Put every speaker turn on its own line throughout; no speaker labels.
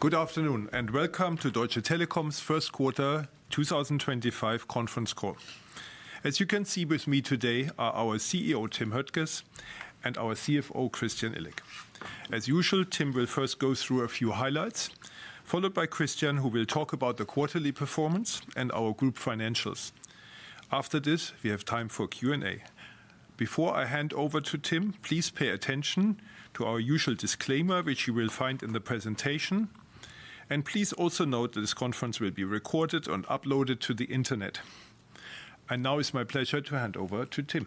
Good afternoon and Welcome to Deutsche Telekom's first quarter 2025 conference call. As you can see with me today are our CEO, Tim Höttges, and our CFO, Christian Illek. As usual, Tim will first go through a few highlights, followed by Christian, who will talk about the quarterly performance and our group financials. After this, we have time for Q&A. Before I hand over to Tim, please pay attention to our usual disclaimer, which you will find in the presentation. Please also note that this conference will be recorded and uploaded to the internet. It is my pleasure to hand over to Tim.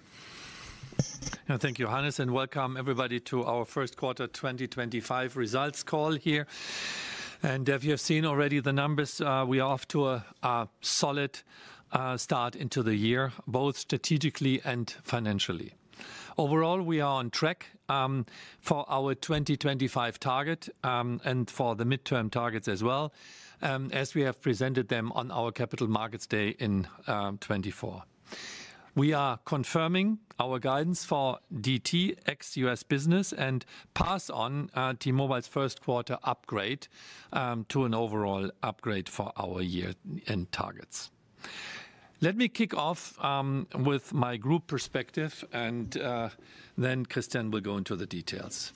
Thank you, Hannes, and Welcome everybody to our first quarter 2025 results call here. If you have seen already the numbers, we are off to a solid start into the year, both strategically and financially. Overall, we are on track for our 2025 target and for the midterm targets as well, as we have presented them on our Capital Markets Day in 2024. We are confirming our guidance for DT ex-U.S. business and pass on T-Mobile's first quarter upgrade to an overall upgrade for our year-end targets. Let me kick off with my group perspective, and then Christian will go into the details.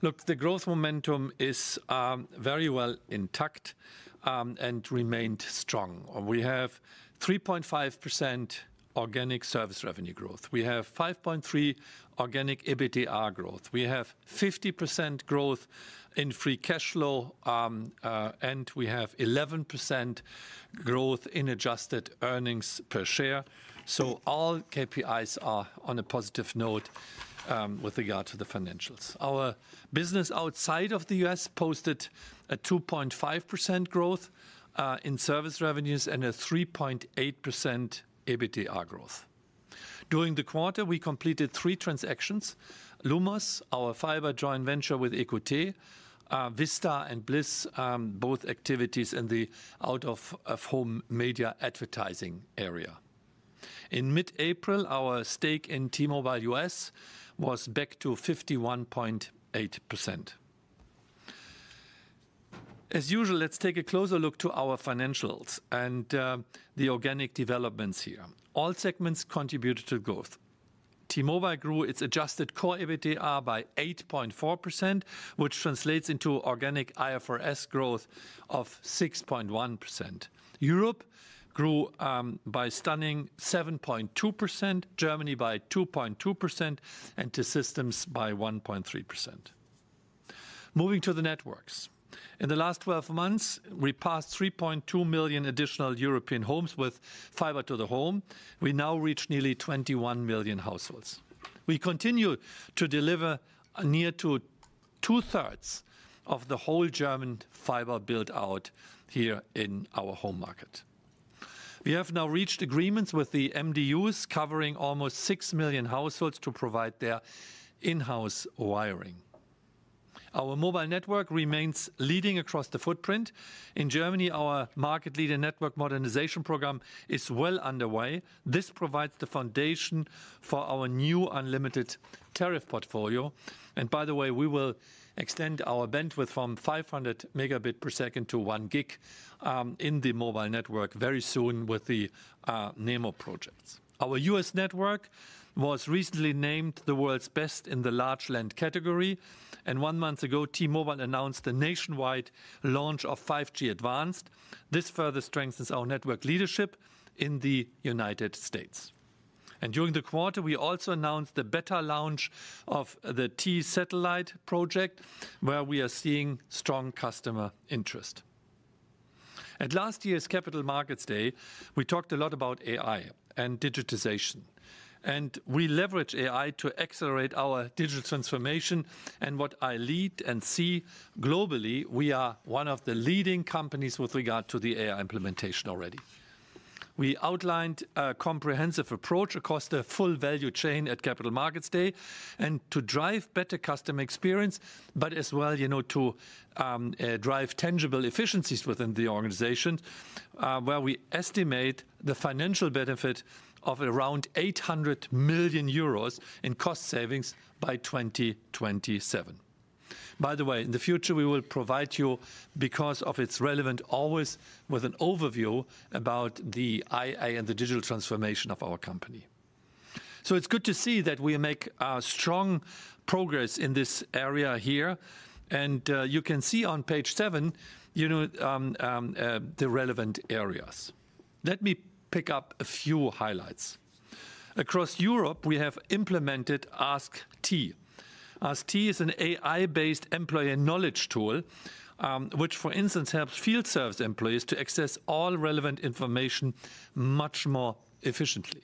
Look, the growth momentum is very well intact and remained strong. We have 3.5% organic service revenue growth. We have 5.3% organic EBITDA growth. We have 50% growth in free cash flow, and we have 11% growth in adjusted earnings per share. All KPIs are on a positive note with regard to the financials. Our business outside of the U.S. posted a 2.5% growth in service revenues and a 3.8% EBITDA growth. During the quarter, we completed three transactions: Lumos, our fiber joint venture with EQT, Vista, and Blis, both activities in the out-of-home media advertising area. In mid-April, our stake in T-Mobile U.S. was back to 51.8%. As usual, let's take a closer look at our financials and the organic developments here. All segments contributed to growth. T-Mobile grew its adjusted core EBITDA by 8.4%, which translates into organic IFRS growth of 6.1%. Europe grew by a stunning 7.2%, Germany by 2.2%, and the T-Systems by 1.3%. Moving to the networks. In the last 12 months, we passed 3.2 million additional European homes with fiber to the home. We now reach nearly 21 million households. We continue to deliver near to two-thirds of the whole German fiber build-out here in our home market. We have now reached agreements with the MDUs covering almost 6 million households to provide their in-house wiring. Our mobile network remains leading across the footprint. In Germany, our market-leading network modernization program is well underway. This provides the foundation for our new unlimited tariff portfolio. By the way, we will extend our bandwidth from 500 megabit per second to 1 gig in the mobile network very soon with the NeMo projects. Our U.S. network was recently named the world's best in the large land category. One month ago, T-Mobile announced the nationwide launch of 5G Advanced. This further strengthens our network leadership in the United States. During the quarter, we also announced the beta launch of the T Satellite project, where we are seeing strong customer interest. At last year's Capital Markets Day, we talked a lot about AI and digitization. We leverage AI to accelerate our digital transformation. What I lead and see globally, we are one of the leading companies with regard to the AI implementation already. We outlined a comprehensive approach across the full value chain at Capital Markets Day to drive better customer experience, but as well, you know, to drive tangible efficiencies within the organization, where we estimate the financial benefit of around 800 million euros in cost savings by 2027. By the way, in the future, we will provide you, because of its relevance, always with an overview about the AI and the digital transformation of our company. It is good to see that we make strong progress in this area here. You can see on page seven, you know, the relevant areas. Let me pick up a few highlights. Across Europe, we have implemented askT. Ask T is an AI-based employee knowledge tool, which, for instance, helps field service employees to access all relevant information much more efficiently.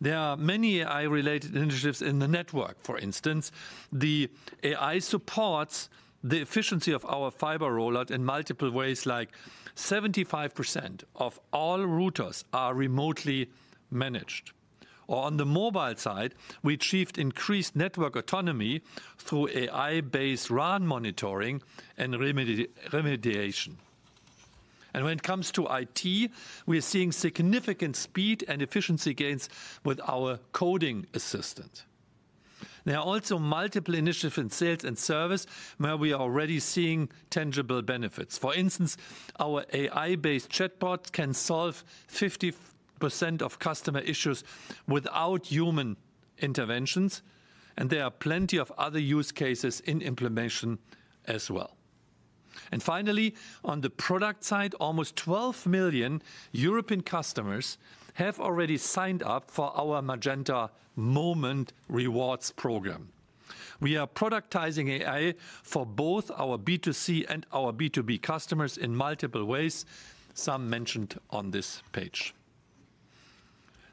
There are many AI-related initiatives in the network, for instance. The AI supports the efficiency of our fiber rollout in multiple ways, like 75% of all routers are remotely managed. On the mobile side, we achieved increased network autonomy through AI-based RAN monitoring and remediation. When it comes to IT, we are seeing significant speed and efficiency gains with our coding assistant. There are also multiple initiatives in sales and service where we are already seeing tangible benefits. For instance, our AI-based chatbots can solve 50% of customer issues without human interventions. There are plenty of other use cases in implementation as well. Finally, on the product side, almost 12 million European customers have already signed up for our Magenta Moments rewards program. We are productizing AI for both our B2C and our B2B customers in multiple ways, some mentioned on this page.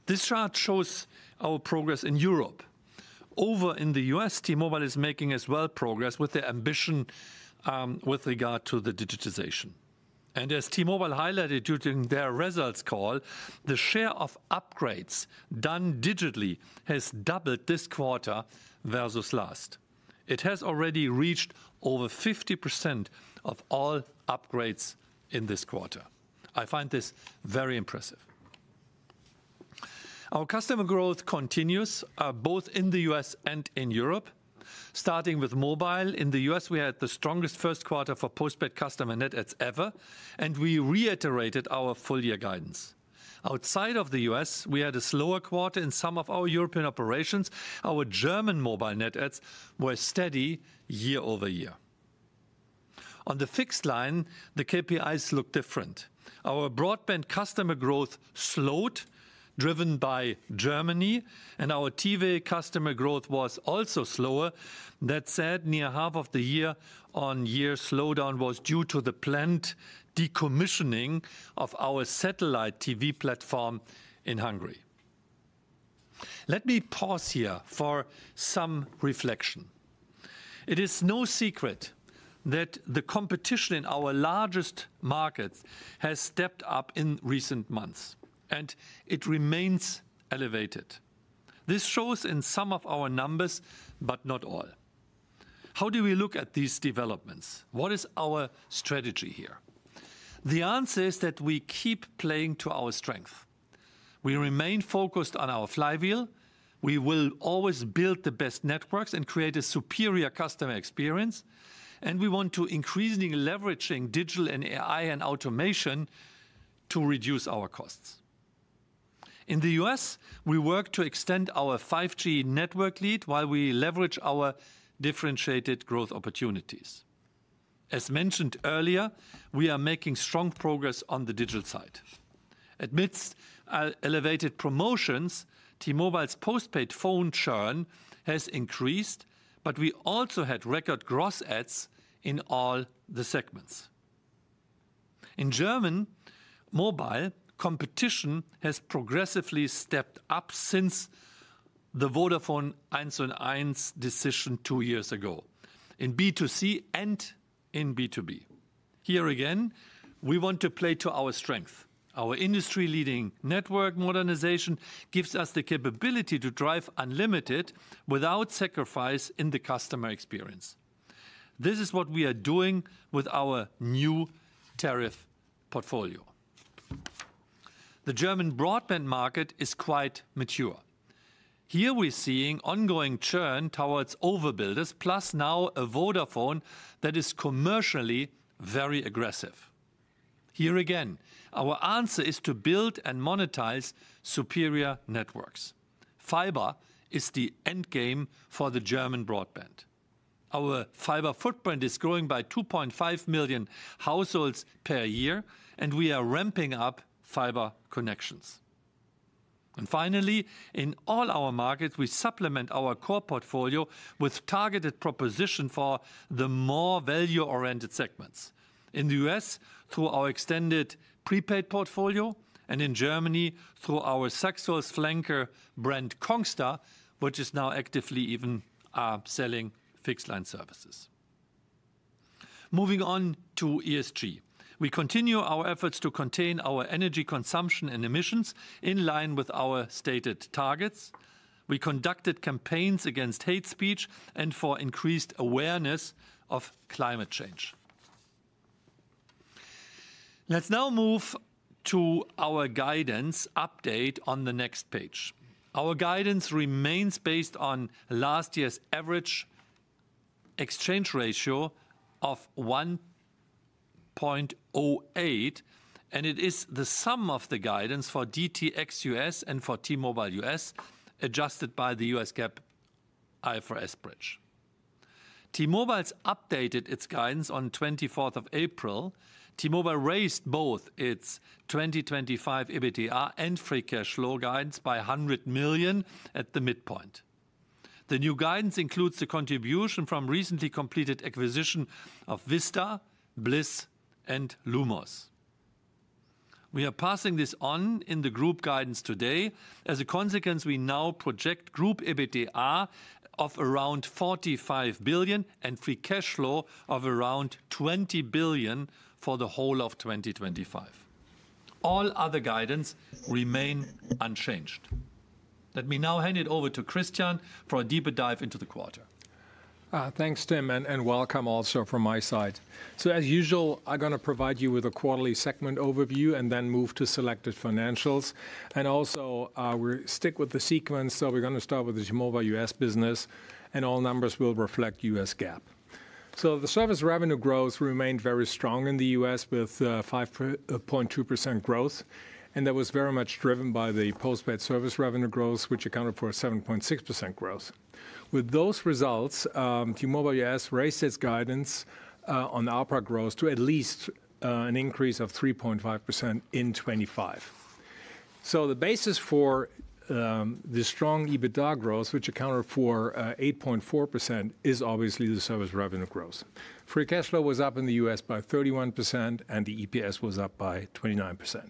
This chart shows our progress in Europe. Over in the U.S., T-Mobile is making as well progress with their ambition with regard to the digitization. As T-Mobile highlighted during their results call, the share of upgrades done digitally has doubled this quarter versus last. It has already reached over 50% of all upgrades in this quarter. I find this very impressive. Our customer growth continues both in the U.S. and in Europe. Starting with mobile, in the U.S., we had the strongest first quarter for postpaid customer net adds ever, and we reiterated our full year guidance. Outside of the U.S., we had a slower quarter in some of our European operations. Our German mobile net adds were steady year-over-year. On the fixed line, the KPIs look different. Our broadband customer growth slowed, driven by Germany, and our TV customer growth was also slower. That said, near half of the year-on-year slowdown was due to the planned decommissioning of our satellite TV platform in Hungary. Let me pause here for some reflection. It is no secret that the competition in our largest markets has stepped up in recent months, and it remains elevated. This shows in some of our numbers, but not all. How do we look at these developments? What is our strategy here? The answer is that we keep playing to our strength. We remain focused on our flywheel. We will always build the best networks and create a superior customer experience. We want to increasingly leverage digital and AI and automation to reduce our costs. In the U.S., we work to extend our 5G network lead while we leverage our differentiated growth opportunities. As mentioned earlier, we are making strong progress on the digital side. Amidst elevated promotions, T-Mobile's postpaid phone churn has increased, but we also had record gross adds in all the segments. In German mobile, competition has progressively stepped up since the Vodafone 1&1 decision two years ago in B2C and in B2B. Here again, we want to play to our strength. Our industry-leading network modernization gives us the capability to drive unlimited without sacrifice in the customer experience. This is what we are doing with our new tariff portfolio. The German broadband market is quite mature. Here we are seeing ongoing churn towards overbuilders, plus now a Vodafone that is commercially very aggressive. Here again, our answer is to build and monetize superior networks. Fiber is the end game for the German broadband. Our fiber footprint is growing by 2.5 million households per year, and we are ramping up fiber connections. Finally, in all our markets, we supplement our core portfolio with targeted propositions for the more value-oriented segments. In the U.S., through our extended prepaid portfolio, and in Germany, through our value flanker brand Congstar, which is now actively even selling fixed-line services. Moving on to ESG, we continue our efforts to contain our energy consumption and emissions in line with our stated targets. We conducted campaigns against hate speech and for increased awareness of climate change. Let's now move to our guidance update on the next page. Our guidance remains based on last year's average exchange ratio of 1.08, and it is the sum of the guidance for DT ex-U.S. and for T-Mobile U.S., adjusted by the U.S. GAAP IFRS bridge. T-Mobile updated its guidance on April 24. T-Mobile raised both its 2025 EBITDA and Free Cash Flow guidance by 100 million at the midpoint. The new guidance includes the contribution from recently completed acquisition of Vistar, Blis, and Lumos. We are passing this on in the group guidance today. As a consequence, we now project group EBITDA of around 45 billion and Free Cash Flow of around 20 billion for the whole of 2025. All other guidance remains unchanged. Let me now hand it over to Christian for a deeper dive into the quarter.
Thanks, Tim, and welcome also from my side. As usual, I'm going to provide you with a quarterly segment overview and then move to selected financials. Also, we stick with the sequence. We're going to start with the T-Mobile U.S. business, and all numbers will reflect U.S. GAAP. The service revenue growth remained very strong in the U.S. with 5.2% growth, and that was very much driven by the postpaid service revenue growth, which accounted for 7.6% growth. With those results, T-Mobile U.S. raised its guidance on the ARPA growth to at least an increase of 3.5% in 2025. The basis for the strong EBITDA growth, which accounted for 8.4%, is obviously the service revenue growth. Free Cash Flow was up in the U.S. by 31%, and the EPS was up by 29%.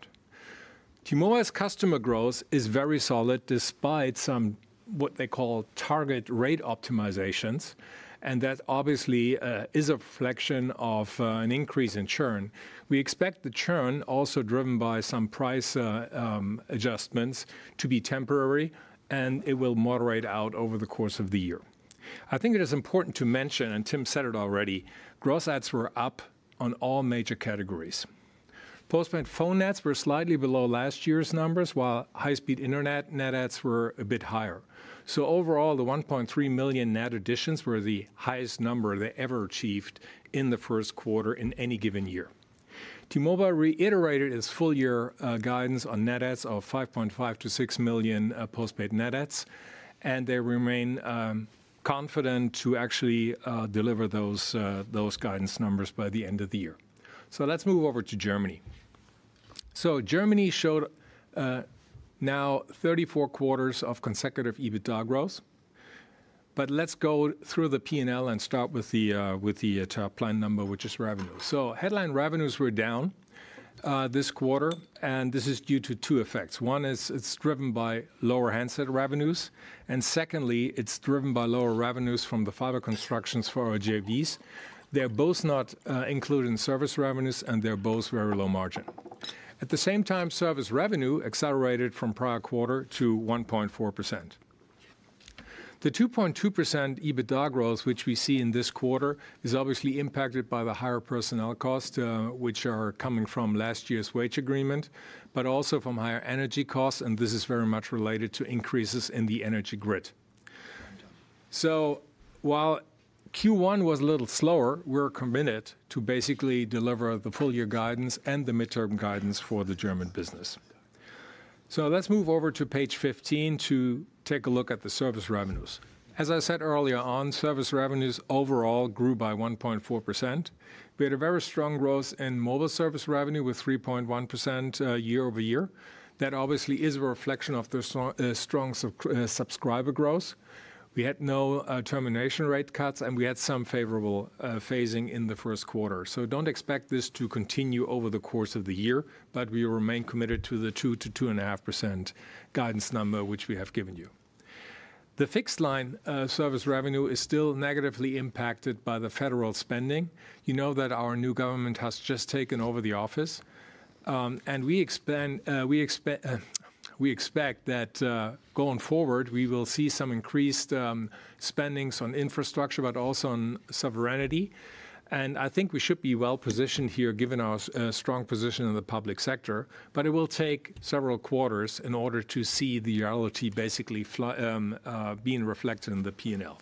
T-Mobile's customer growth is very solid despite some what they call target rate optimizations, and that obviously is a reflection of an increase in churn. We expect the churn, also driven by some price adjustments, to be temporary, and it will moderate out over the course of the year. I think it is important to mention, and Tim said it already, gross adds were up on all major categories. Postpaid phone adds were slightly below last year's numbers, while high-speed internet net adds were a bit higher. Overall, the 1.3 million net additions were the highest number they ever achieved in the first quarter in any given year. T-Mobile reiterated its full year guidance on net adds of 5.5-6 million postpaid net adds, and they remain confident to actually deliver those guidance numbers by the end of the year. Let's move over to Germany. Germany showed now 34 quarters of consecutive EBITDA growth. Let's go through the P&L and start with the top line number, which is revenue. Headline revenues were down this quarter, and this is due to two effects. One is it's driven by lower handset revenues, and secondly, it's driven by lower revenues from the fiber constructions for our JVs. They're both not included in service revenues, and they're both very low margin. At the same time, service revenue accelerated from prior quarter to 1.4%. The 2.2% EBITDA growth, which we see in this quarter, is obviously impacted by the higher personnel costs, which are coming from last year's wage agreement, but also from higher energy costs, and this is very much related to increases in the energy grid. While Q1 was a little slower, we're committed to basically deliver the full year guidance and the midterm guidance for the German business. Let's move over to page 15 to take a look at the service revenues. As I said earlier on, service revenues overall grew by 1.4%. We had very strong growth in mobile service revenue with 3.1% year-over-year. That obviously is a reflection of the strong subscriber growth. We had no termination rate cuts, and we had some favorable phasing in the first quarter. Do not expect this to continue over the course of the year, but we remain committed to the 2%-2.5% guidance number, which we have given you. The fixed line service revenue is still negatively impacted by the federal spending. You know that our new government has just taken over the office, and we expect that going forward, we will see some increased spendings on infrastructure, but also on sovereignty. I think we should be well positioned here, given our strong position in the public sector, but it will take several quarters in order to see the reality basically being reflected in the P&L.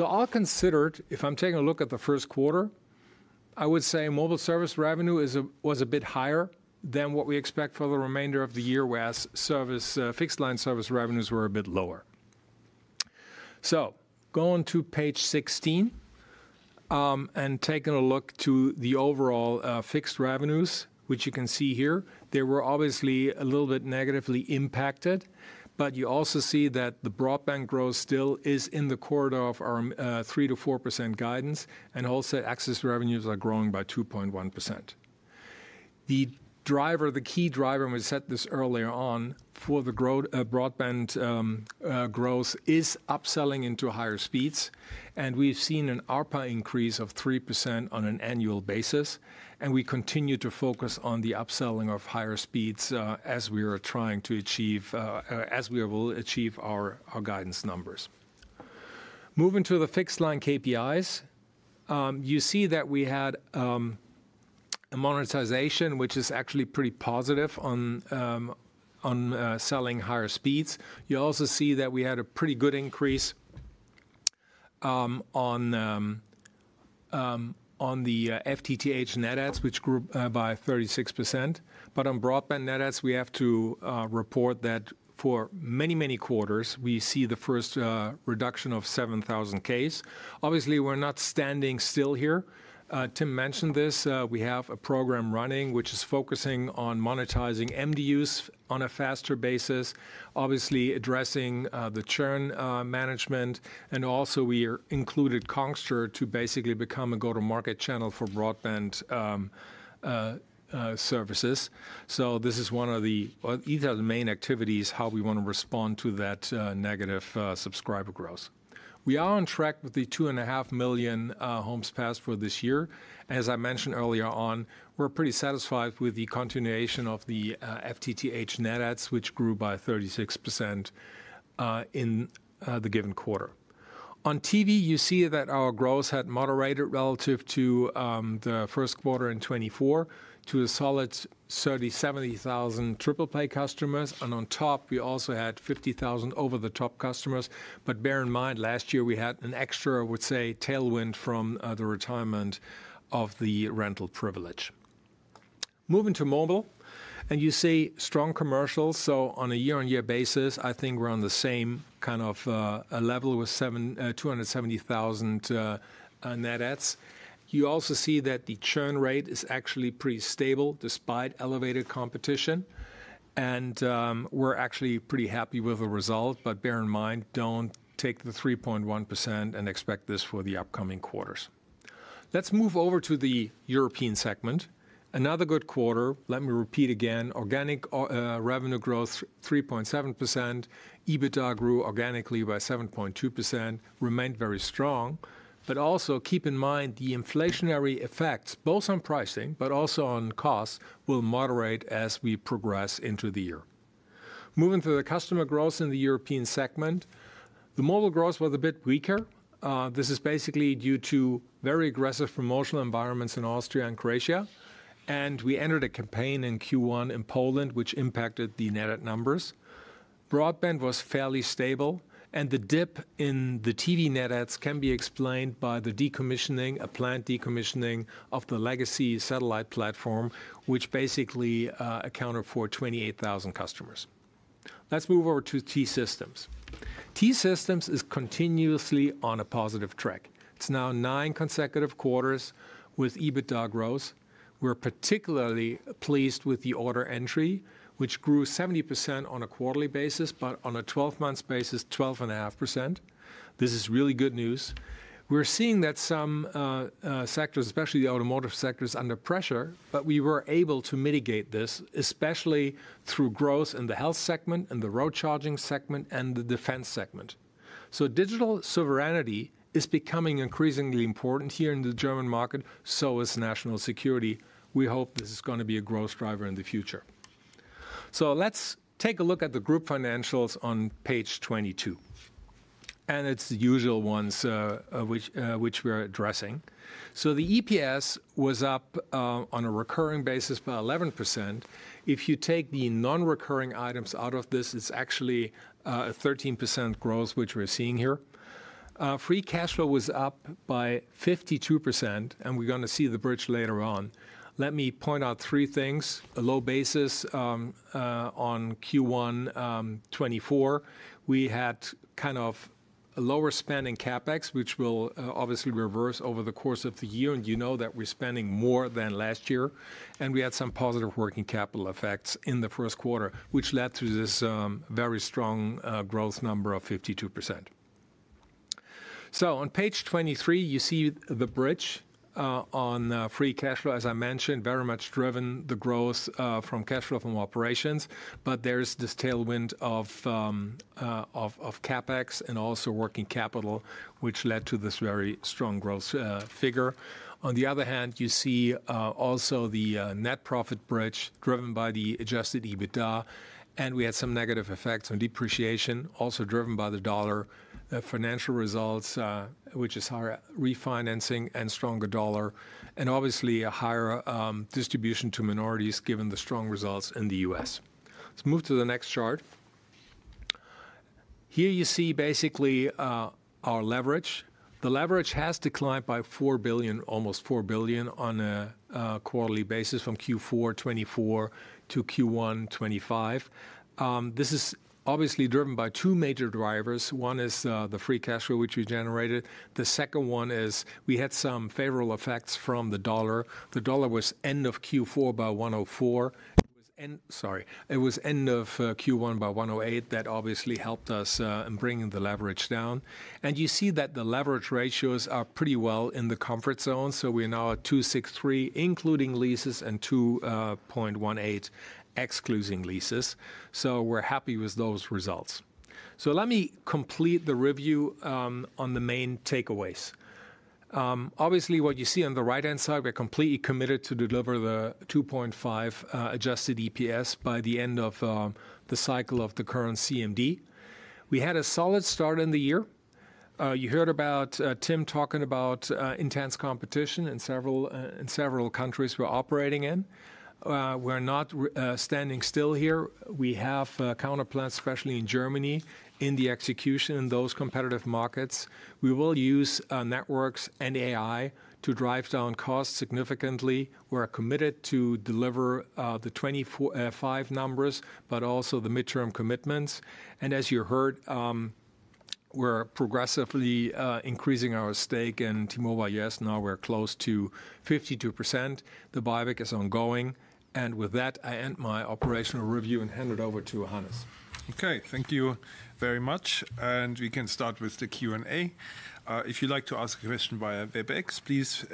I will consider it if I am taking a look at the first quarter, I would say mobile service revenue was a bit higher than what we expect for the remainder of the year whereas fixed line service revenues were a bit lower. Going to page 16 and taking a look to the overall fixed revenues, which you can see here, they were obviously a little bit negatively impacted, but you also see that the broadband growth still is in the quarter of our 3%-4% guidance, and wholesale access revenues are growing by 2.1%. The driver, the key driver, and we said this earlier on, for the broadband growth is upselling into higher speeds, and we've seen an ARPA increase of 3% on an annual basis, and we continue to focus on the upselling of higher speeds as we are trying to achieve, as we will achieve our guidance numbers. Moving to the fixed line KPIs, you see that we had a monetization, which is actually pretty positive on selling higher speeds. You also see that we had a pretty good increase on the FTTH net adds, which grew by 36%, but on broadband net adds, we have to report that for many, many quarters, we see the first reduction of 7,000. Obviously, we're not standing still here. Tim mentioned this. We have a program running, which is focusing on monetizing MDUs on a faster basis, obviously addressing the churn management, and also we included Congstar to basically become a go-to-market channel for broadband services. These are the main activities, how we want to respond to that negative subscriber growth. We are on track with the 2.5 million homes passed for this year. As I mentioned earlier on, we're pretty satisfied with the continuation of the FTTH net adds, which grew by 36% in the given quarter. On TV, you see that our growth had moderated relative to the first quarte r in 2024 to a solid 37,000 triple-play pay customers, and on top, we also had 50,000 net adds over-the-top customers, but bear in mind last year we had an extra, I would say, tailwind from the retirement of the rental privilege. Moving to mobile, you see strong commercials. On a year-on-year basis, I think we're on the same kind of level with 270,000 net adds. You also see that the churn rate is actually pretty stable despite elevated competition, and we're actually pretty happy with the result, but bear in mind, don't take the 3.1% and expect this for the upcoming quarters. Let's move over to the European segment. Another good quarter, let me repeat again, organic revenue growth, 3.7%, EBITDA grew organically by 7.2%, remained very strong, but also keep in mind the inflationary effects, both on pricing, but also on costs will moderate as we progress into the year. Moving to the customer growth in the European segment, the mobile growth was a bit weaker. This is basically due to very aggressive promotional environments in Austria and Croatia, and we entered a campaign in Q1 in Poland, which impacted the net add numbers. Broadband was fairly stable, and the dip in the TV net adds can be explained by the decommissioning, a planned decommissioning of the legacy satellite platform, which basically accounted for 28,000 customers. Let's move over to T-Systems. T-Systems is continuously on a positive track. It's now nine consecutive quarters with EBITDA growth. We're particularly pleased with the order entry, which grew 70% on a quarterly basis, but on a 12-month basis, 12.5%. This is really good news. We're seeing that some sectors, especially the automotive sectors, under pressure, but we were able to mitigate this, especially through growth in the health segment, in the road charging segment, and the defense segment. Digital sovereignty is becoming increasingly important here in the German market, so is national security. We hope this is going to be a growth driver in the future. Let's take a look at the group financials on page 22, and it's the usual ones which we're addressing. The EPS was up on a recurring basis by 11%. If you take the non-recurring items out of this, it's actually a 13% growth, which we're seeing here. Free Cash Flow was up by 52%, and we're going to see the bridge later on. Let me point out three things. A low basis on Q1 2024, we had kind of a lower spending CapEx, which will obviously reverse over the course of the year, and you know that we're spending more than last year, and we had some positive working capital effects in the first quarter, which led to this very strong growth number of 52%. On page 23, you see the bridge on Free Cash Flow, as I mentioned, very much driven the growth from cash flow from operations, but there's this tailwind of CapEx and also working capital, which led to this very strong growth figure. On the other hand, you see also the net profit bridge driven by the adjusted EBITDA, and we had some negative effects on depreciation, also driven by the dollar financial results, which is higher refinancing and stronger dollar, and obviously a higher distribution to minorities given the strong results in the U.S. Let's move to the next chart. Here you see basically our leverage. The leverage has declined by 4 billion, almost 4 billion on a quarterly basis from Q4 2024 to Q1 2025. This is obviously driven by two major drivers. One is the Free Cash Flow, which we generated. The second one is we had some favorable effects from the dollar. The dollar was end of Q4 at 1.04. Sorry, it was end of Q1 at 1.08. That obviously helped us in bringing the leverage down. You see that the leverage ratios are pretty well in the comfort zone. We are now at 2.63, including leases, and 2.18 excluding leases. We are happy with those results. Let me complete the review on the main takeaways. Obviously, what you see on the right-hand side, we are completely committed to deliver the 2.5 adjusted EPS by the end of the cycle of the current CMD. We had a solid start in the year. You heard about Tim talking about intense competition in several countries we are operating in. We are not standing still here. We have counterplans, especially in Germany, in the execution in those competitive markets. We will use networks and AI to drive down costs significantly. We are committed to deliver the 2025 numbers, but also the midterm commitments. As you heard, we are progressively increasing our stake in T-Mobile. Yes, now we are close to 52%. The buyback is ongoing. With that, I end my operational review and hand it over to Hannes.
Okay, thank you very much. We can start with the Q&A. If you'd like to ask a question via Webex, please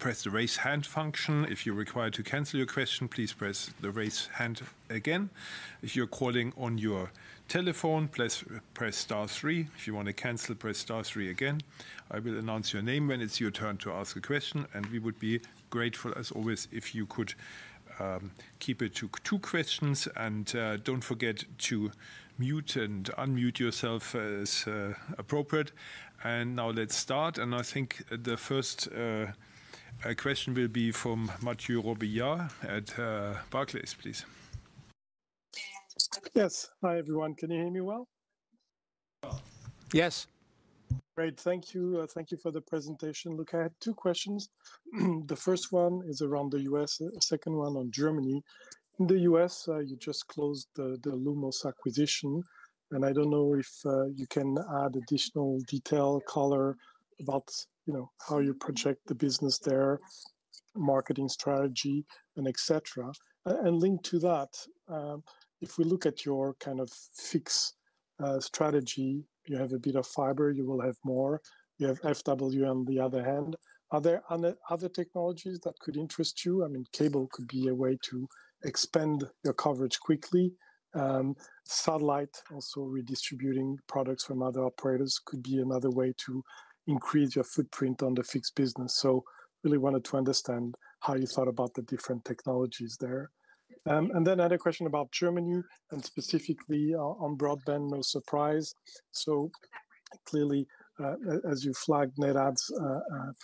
press the raise hand function. If you are required to cancel your question, please press the raise hand again. If you are calling on your telephone, please press star three. If you want to cancel, press star three again. I will announce your name when it is your turn to ask a question, and we would be grateful, as always, if you could keep it to two questions. Do not forget to mute and unmute yourself as appropriate. Now let's start. I think the first question will be from Matthieu Robilliard at Barclays, please.
Yes. Hi everyone. Can you hear me well?
Yes.
Great. Thank you. Thank you for the presentation. Look, I had two questions. The first one is around the U.S., the second one on Germany. In the U.S., you just closed the Lumos acquisition, and I don't know if you can add additional detail, color, about how you project the business there, marketing strategy, etc. Linked to that, if we look at your kind of fixed strategy, you have a bit of fiber, you will have more. You have FW, on the other hand. Are there other technologies that could interest you? I mean, cable could be a way to expand your coverage quickly. Satellite, also redistributing products from other operators, could be another way to increase your footprint on the fixed business. Really wanted to understand how you thought about the different technologies there. Then I had a question about Germany and specifically on broadband, no surprise. So clearly, as you flagged, net adds are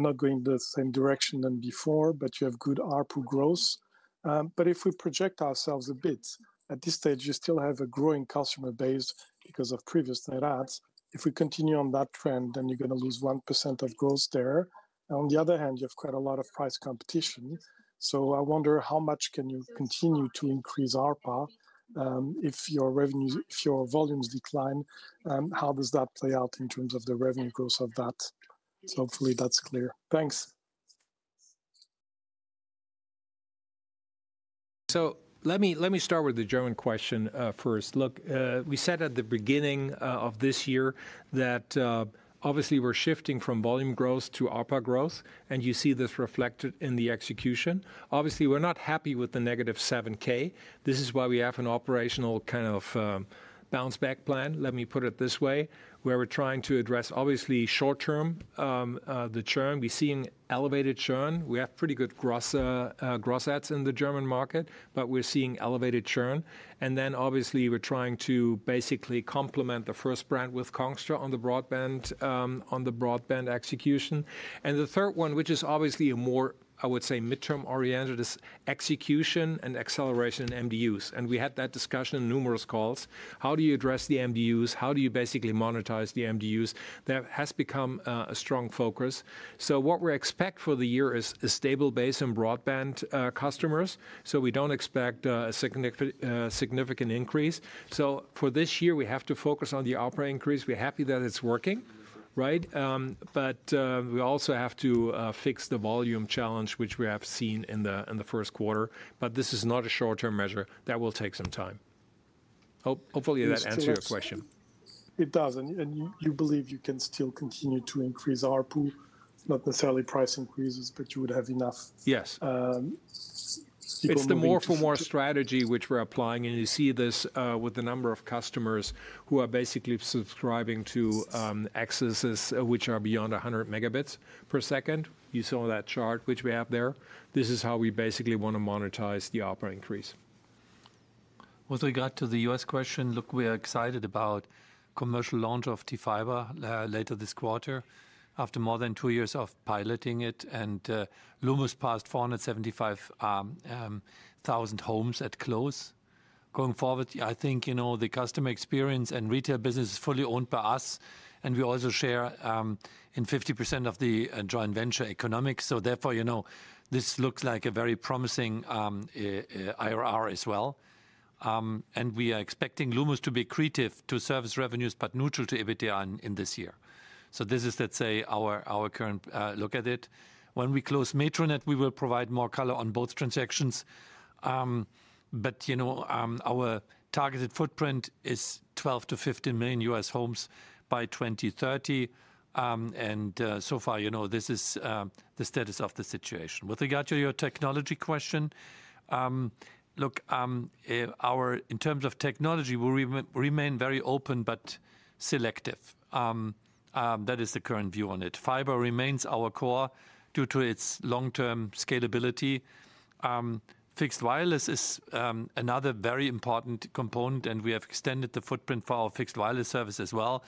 not going the same direction than before, but you have good ARPU growth. If we project ourselves a bit, at this stage, you still have a growing customer base because of previous net adds. If we continue on that trend, then you're going to lose 1% of growth there. On the other hand, you have quite a lot of price competition. I wonder how much can you continue to increase ARPA if your revenues, if your volumes decline, how does that play out in terms of the revenue growth of that? Hopefully that's clear. Thanks.
Let me start with the German question first. Look, we said at the beginning of this year that obviously we're shifting from volume growth to ARPA growth, and you see this reflected in the execution. Obviously, we're not happy with the -7000. This is why we have an operational kind of bounce back plan. Let me put it this way, where we're trying to address obviously short term, the churn. We're seeing elevated churn. We have pretty good gross adds in the German market, but we're seeing elevated churn. Obviously we're trying to basically complement the first brand with Congstar on the broadband execution. The third one, which is obviously a more, I would say, midterm oriented, is execution and acceleration in MDUs. We had that discussion in numerous calls. How do you address the MDUs? How do you basically monetize the MDUs? That has become a strong focus. What we expect for the year is a stable base in broadband customers. We do not expect a significant increase. For this year, we have to focus on the ARPA increase. We're happy that it's working, right? We also have to fix the volume challenge, which we have seen in the first quarter. This is not a short-term measure. That will take some time. Hopefully that answers your question.
It does. You believe you can still continue to increase ARPU, not necessarily price increases, but you would have enough.
Yes. It is the more for more strategy, which we are applying. You see this with the number of customers who are basically subscribing to accesses which are beyond 100 megabits per second. You saw that chart which we have there. This is how we basically want to monetize the ARPA increase.
With regard to the U.S. question, look, we are excited about commercial launch of T-Fiber later this quarter after more than two years of piloting it. Lumos passed 475,000 homes at close. Going forward, I think, you know, the customer experience and retail business is fully owned by us, and we also share in 50% of the joint venture economics. Therefore, you know, this looks like a very promising IRR as well. We are expecting Lumos to be accretive to service revenues, but neutral to EBITDA in this year. This is, let's say, our current look at it. When we close MetroNet, we will provide more color on both transactions. You know, our targeted footprint is 12 million-15 million U.S. homes by 2030. So far, you know, this is the status of the situation. With regard to your technology question, look, in terms of technology, we remain very open but selective. That is the current view on it. Fiber remains our core due to its long-term scalability. Fixed wireless is another very important component, and we have extended the footprint for our fixed wireless service as well.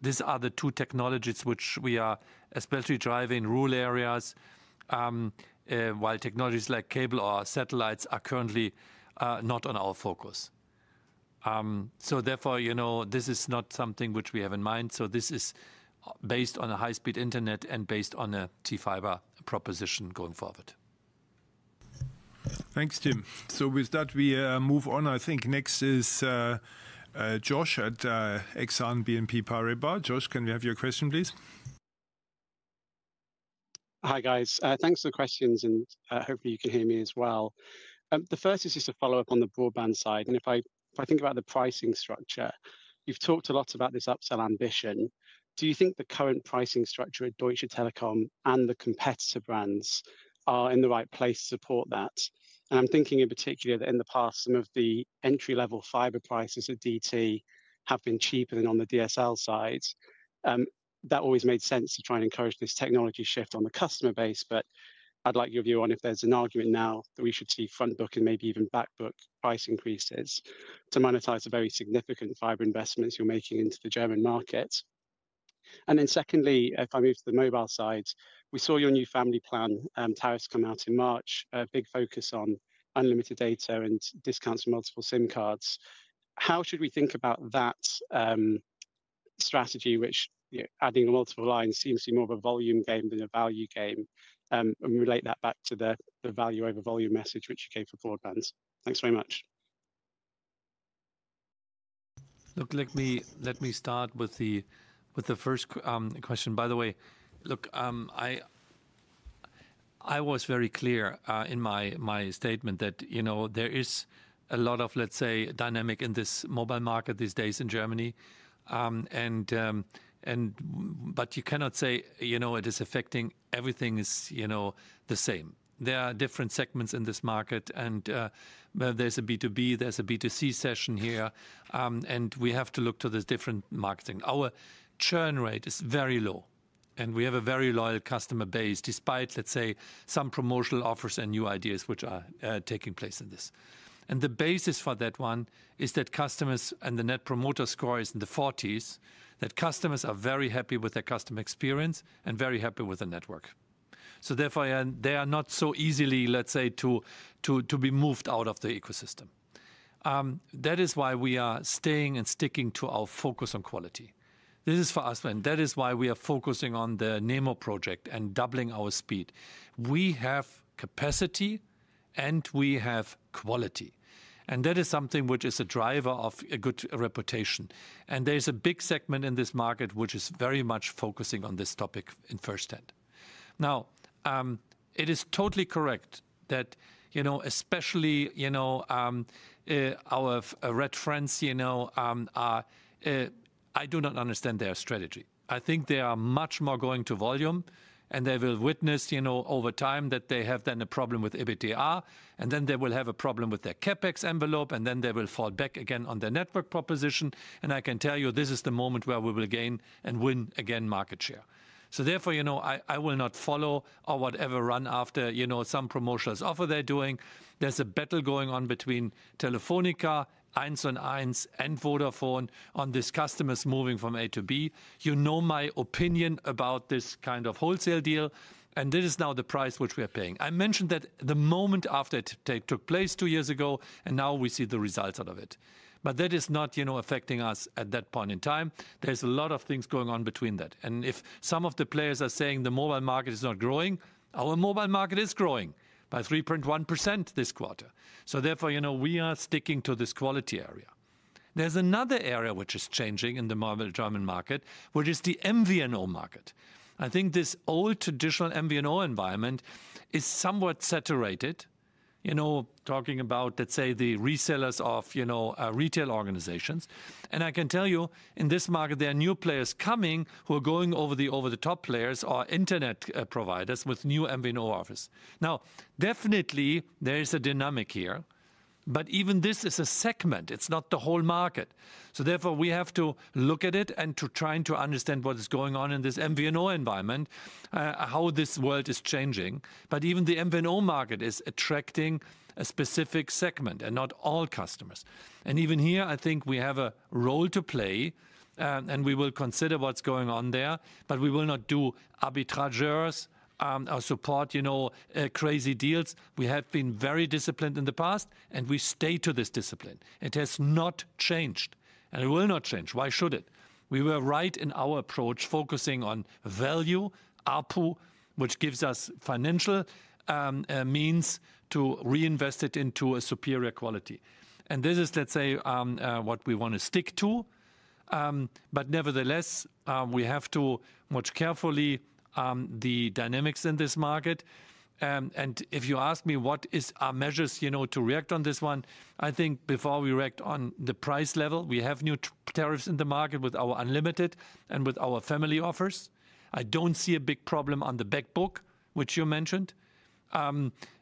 These are the two technologies which we are especially driving in rural areas, while technologies like cable or satellites are currently not on our focus. Therefore, you know, this is not something which we have in mind. This is based on a high-speed internet and based on a T-Fiber proposition going forward.
Thanks, Tim. With that, we move on. I think next is Josh at BNP Paribas. Josh, can we have your question, please?
Hi guys. Thanks for the questions, and hopefully you can hear me as well. The first is just a follow-up on the broadband side. If I think about the pricing structure, you've talked a lot about this upsell ambition. Do you think the current pricing structure at Deutsche Telekom and the competitor brands are in the right place to support that? I'm thinking in particular that in the past, some of the entry-level fiber prices at DT have been cheaper than on the DSL side. That always made sense to try and encourage this technology shift on the customer base, but I'd like your view on if there's an argument now that we should see front book and maybe even back book price increases to monetize the very significant fiber investments you're making into the German market. Secondly, if I move to the mobile side, we saw your new family plan tariffs come out in March, a big focus on unlimited data and discounts on multiple SIM cards. How should we think about that strategy, which adding multiple lines seems to be more of a volume game than a value game, and relate that back to the value over volume message which you gave for broadbands? Thanks very much.
Look, let me start with the first question. By the way, look, I was very clear in my statement that, you know, there is a lot of, let's say, dynamic in this mobile market these days in Germany. You cannot say, you know, it is affecting everything is, you know, the same. There are different segments in this market, and there's a B2B, there's a B2C session here, and we have to look to this different marketing. Our churn rate is very low, and we have a very loyal customer base despite, let's say, some promotional offers and new ideas which are taking place in this. The basis for that one is that customers and the Net Promoter Score is in the 40s, that customers are very happy with their customer experience and very happy with the network. Therefore, they are not so easily, let's say, to be moved out of the ecosystem. That is why we are staying and sticking to our focus on quality. This is for us, and that is why we are focusing on the NeMo project and doubling our speed. We have capacity and we have quality. That is something which is a driver of a good reputation. There is a big segment in this market which is very much focusing on this topic in first hand. Now, it is totally correct that, you know, especially, you know, our red friends, you know, I do not understand their strategy. I think they are much more going to volume, and they will witness, you know, over time that they have then a problem with EBITDA, and then they will have a problem with their CapEx envelope, and then they will fall back again on their network proposition. I can tell you this is the moment where we will gain and win again market share. Therefore, you know, I will not follow or whatever run after, you know, some promotional offer they're doing. There's a battle going on between Telefónica, 1&1, and Vodafone on this customers moving from A to B. You know my opinion about this kind of wholesale deal, and this is now the price which we are paying. I mentioned that the moment after it took place two years ago, and now we see the results out of it. That is not, you know, affecting us at that point in time. There's a lot of things going on between that. If some of the players are saying the mobile market is not growing, our mobile market is growing by 3.1% this quarter. Therefore, you know, we are sticking to this quality area. There's another area which is changing in the mobile German market, which is the MVNO market. I think this old traditional MVNO environment is somewhat saturated, you know, talking about, let's say, the resellers of, you know, retail organizations. I can tell you in this market, there are new players coming who are going over the over-the-top players or internet providers with new MVNO offers. Now, definitely there is a dynamic here, but even this is a segment. It's not the whole market. Therefore, we have to look at it and try to understand what is going on in this MVNO environment, how this world is changing. Even the MVNO market is attracting a specific segment and not all customers. Even here, I think we have a role to play, and we will consider what's going on there, but we will not do arbitrageurs or support, you know, crazy deals. We have been very disciplined in the past, and we stay to this discipline. It has not changed, and it will not change. Why should it? We were right in our approach focusing on value, ARPU, which gives us financial means to reinvest it into a superior quality. This is, let's say, what we want to stick to. Nevertheless, we have to watch carefully the dynamics in this market. If you ask me what are our measures, you know, to react on this one, I think before we react on the price level, we have new tariffs in the market with our unlimited and with our family offers. I do not see a big problem on the back book, which you mentioned.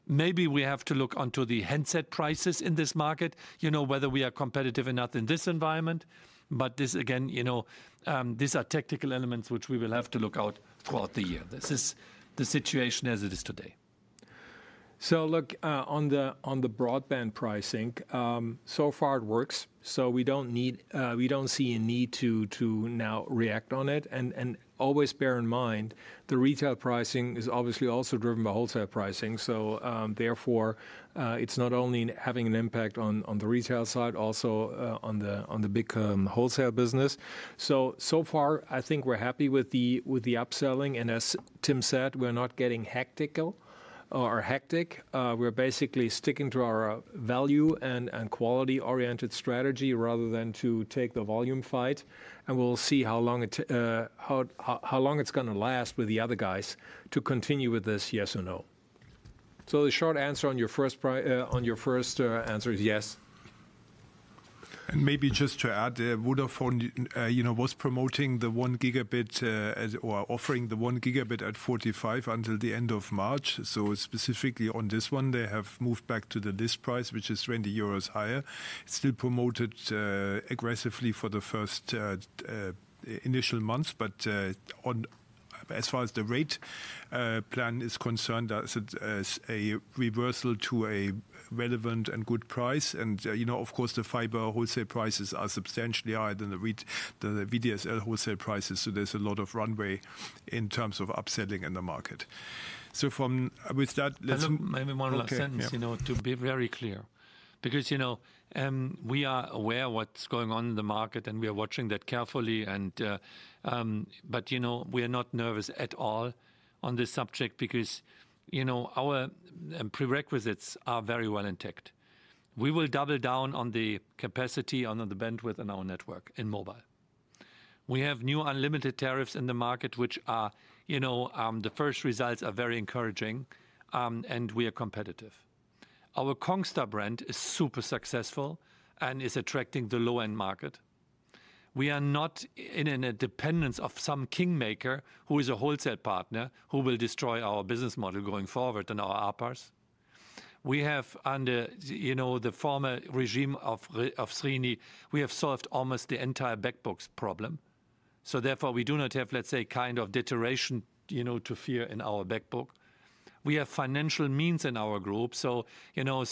Maybe we have to look onto the handset prices in this market, you know, whether we are competitive enough in this environment. This again, you know, these are technical elements which we will have to look out throughout the year. This is the situation as it is today.
Look, on the broadband pricing, so far it works. We do not see a need to now react on it. Always bear in mind the retail pricing is obviously also driven by wholesale pricing. Therefore, it's not only having an impact on the retail side, also on the big wholesale business. So far, I think we're happy with the upselling. As Tim said, we're not getting hectic. We're basically sticking to our value and quality-oriented strategy rather than to take the volume fight. We'll see how long it, how long it's going to last with the other guys to continue with this, yes or no. The short answer on your first, on your first answer is yes.
Maybe just to add, Vodafone, you know, was promoting the 1 gigabit or offering the 1 gigabit at 45 until the end of March. Specifically on this one, they have moved back to the list price, which is 20 euros higher. It's still promoted aggressively for the first initial months, but as far as the rate plan is concerned, that's a reversal to a relevant and good price. And, you know, of course, the fiber wholesale prices are substantially higher than the VDSL wholesale prices. So there's a lot of runway in terms of upselling in the market. From that,
Let's maybe one last sentence, you know, to be very clear, because, you know, we are aware of what's going on in the market, and we are watching that carefully. But, you know, we are not nervous at all on this subject because, you know, our prerequisites are very well intact. We will double down on the capacity, on the bandwidth, and our network in mobile. We have new unlimited tariffs in the market, which are, you know, the first results are very encouraging, and we are competitive. Our Congstar brand is super successful and is attracting the low-end market. We are not in a dependence of some kingmaker who is a wholesale partner who will destroy our business model going forward and our ARPAs. We have under, you know, the former regime of Srini, we have solved almost the entire back books problem. Therefore, we do not have, let's say, kind of deterioration, you know, to fear in our back book. We have financial means in our group. You know,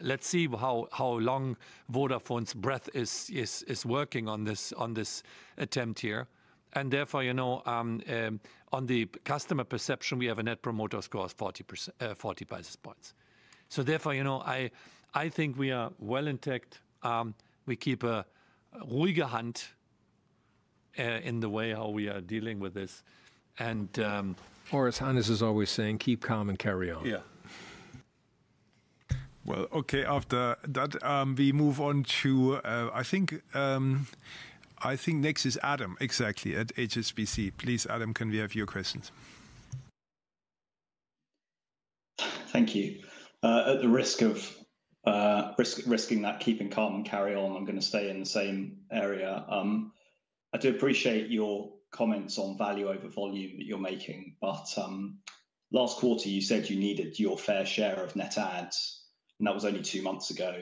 let's see how long Vodafone's breath is working on this attempt here. Therefore, you know, on the customer perception, we have a net promoter score of 40 percentage points. Therefore, you know, I think we are well intact. We keep a ruhige hand in the way how we are dealing with this.
Oris Hannes is always saying, keep calm and carry on.
Yeah.
Okay, after that, we move on to, I think next is Adam exactly at HSBC. Please, Adam, can we have your questions?
Thank you. At the risk of risking that, keeping calm and carry on, I'm going to stay in the same area. I do appreciate your comments on value over volume that you're making, but last quarter, you said you needed your fair share of net adds, and that was only two months ago.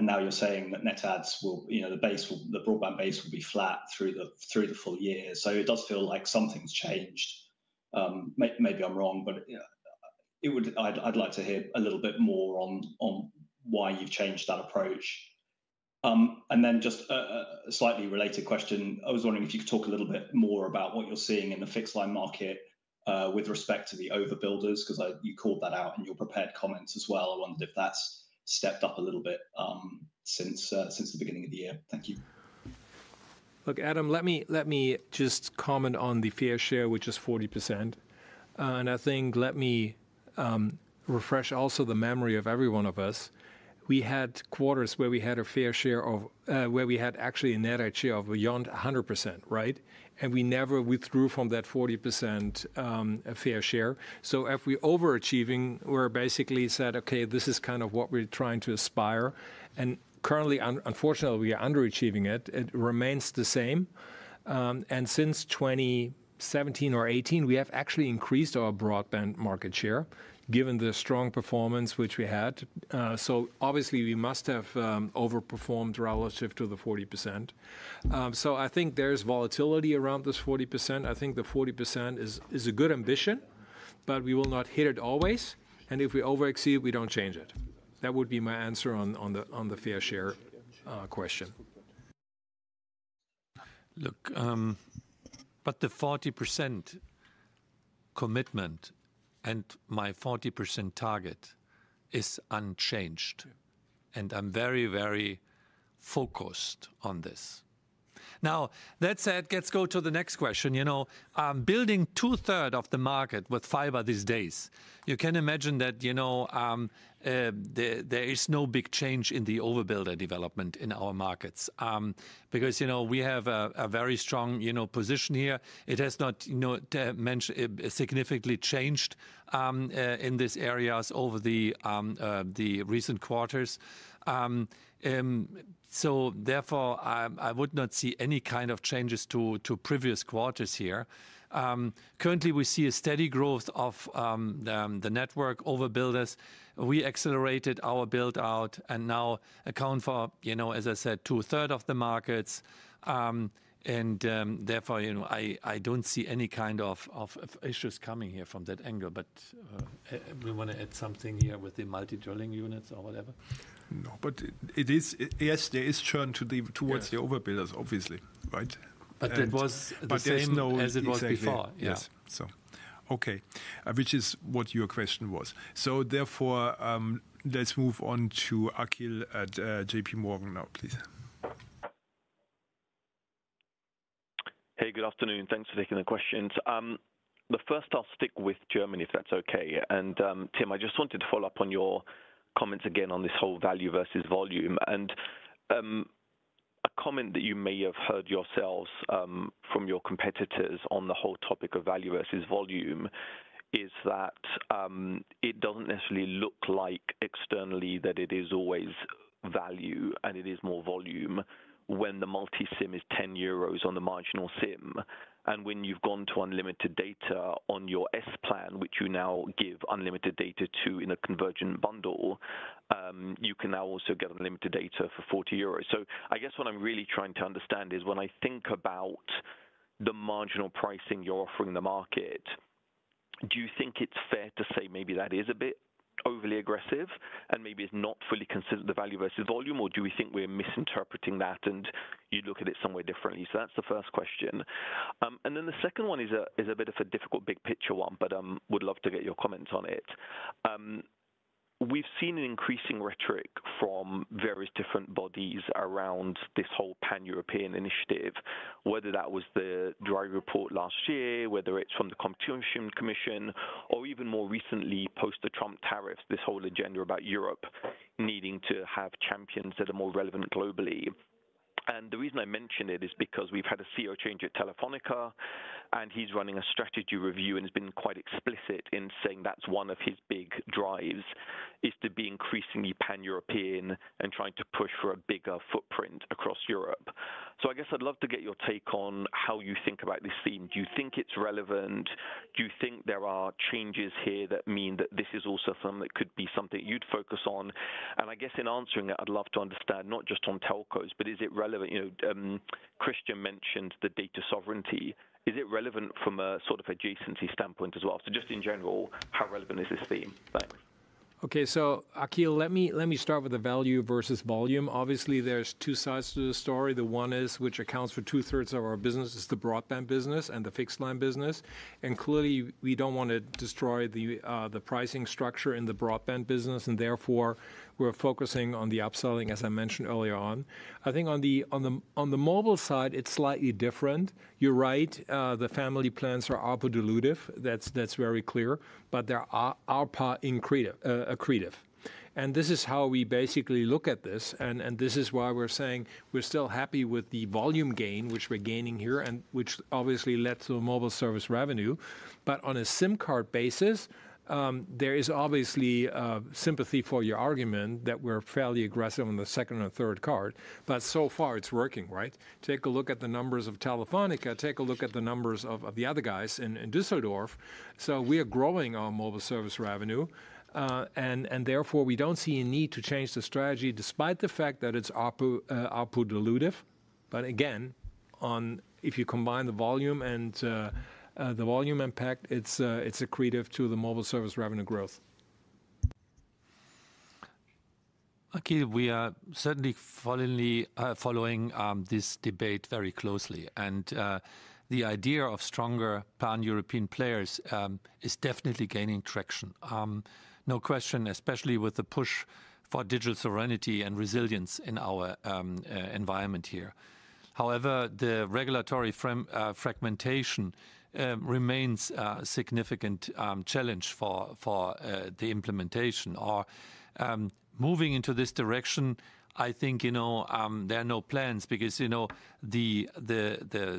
Now you're saying that net adds will, you know, the base, the broadband base will be flat through the full year. It does feel like something's changed. Maybe I'm wrong, but I'd like to hear a little bit more on why you've changed that approach. And then just a slightly related question, I was wondering if you could talk a little bit more about what you're seeing in the fixed line market with respect to the overbuilders, because you called that out in your prepared comments as well. I wondered if that's stepped up a little bit since the beginning of the year. Thank you.
Look, Adam, let me just comment on the fair share, which is 40%. I think let me refresh also the memory of every one of us. We had quarters where we had a fair share of, where we had actually a net add share of beyond 100%, right? We never withdrew from that 40% fair share. If we're overachieving, we basically said, okay, this is kind of what we're trying to aspire. Currently, unfortunately, we are underachieving it. It remains the same. Since 2017 or 2018, we have actually increased our broadband market share given the strong performance which we had. Obviously, we must have overperformed relative to the 40%. I think there is volatility around this 40%. I think the 40% is a good ambition, but we will not hit it always. If we overexceed, we do not change it. That would be my answer on the fair share question.
Look, the 40% commitment and my 40% target is unchanged, and I am very, very focused on this. That said, let's go to the next question. You know, building two-thirds of the market with fiber these days, you can imagine that, you know, there is no big change in the overbuilder development in our markets because, you know, we have a very strong, you know, position here. It has not, you know, significantly changed in these areas over the recent quarters. Therefore, I would not see any kind of changes to previous quarters here. Currently, we see a steady growth of the network overbuilders. We accelerated our build-out and now account for, you know, as I said, two-thirds of the markets. Therefore, you know, I do not see any kind of issues coming here from that angle. We want to add something here with the multi-dwelling units or whatever.
No, but it is, yes, there is churn towards the overbuilders, obviously, right? It was the same as it was before. Yes. Okay, which is what your question was. Therefore, let's move on to Akhil at JPMorgan now, please.
Hey, good afternoon. Thanks for taking the questions. The first, I'll stick with Germany, if that's okay. Tim, I just wanted to follow up on your comments again on this whole value versus volume. A comment that you may have heard yourselves from your competitors on the whole topic of value versus volume is that it does not necessarily look like externally that it is always value and it is more volume when the multi-SIM is 10 euros on the marginal SIM. When you have gone to unlimited data on your S plan, which you now give unlimited data to in a convergent bundle, you can now also get unlimited data for 40 euros. I guess what I'm really trying to understand is when I think about the marginal pricing you're offering the market, do you think it's fair to say maybe that is a bit overly aggressive and maybe it's not fully considered the value versus volume, or do we think we're misinterpreting that and you look at it somewhere differently? That's the first question. The second one is a bit of a difficult big picture one, but I would love to get your comments on it. We've seen an increasing rhetoric from various different bodies around this whole pan-European initiative, whether that was the Draghi Report last year, whether it's from the Competition Commission, or even more recently post the Trump tariffs, this whole agenda about Europe needing to have champions that are more relevant globally. The reason I mention it is because we've had a CEO change at Telefónica, and he's running a strategy review and has been quite explicit in saying that's one of his big drives is to be increasingly pan-European and trying to push for a bigger footprint across Europe. I guess I'd love to get your take on how you think about this theme. Do you think it's relevant? Do you think there are changes here that mean that this is also something that could be something you'd focus on? I guess in answering it, I'd love to understand not just on telcos, but is it relevant? You know, Christian mentioned the data sovereignty. Is it relevant from a sort of adjacency standpoint as well? Just in general, how relevant is this theme? Thanks.
Okay, Akhil, let me start with the value versus volume. Obviously, there are two sides to the story. The one which accounts for two-thirds of our business is the broadband business and the fixed line business. Clearly, we do not want to destroy the pricing structure in the broadband business. Therefore, we are focusing on the upselling, as I mentioned earlier on. I think on the mobile side, it is slightly different. You are right. The family plans are ARPU-dilutive. That is very clear. However, they are ARPA increative. This is how we basically look at this. This is why we are saying we are still happy with the volume gain, which we are gaining here and which obviously led to the mobile service revenue. On a SIM card basis, there is obviously sympathy for your argument that we are fairly aggressive on the second and third card. So far, it is working, right? Take a look at the numbers of Telefónica. Take a look at the numbers of the other guys in Düsseldorf. We are growing our mobile service revenue. Therefore, we do not see a need to change the strategy despite the fact that it is ARPU-dilutive. Again, if you combine the volume and the volume impact, it is accretive to the mobile service revenue growth.
Achille, we are certainly following this debate very closely. The idea of stronger pan-European players is definitely gaining traction. No question, especially with the push for digital sovereignty and resilience in our environment here. However, the regulatory fragmentation remains a significant challenge for the implementation. Moving into this direction, I think, you know, there are no plans because, you know, the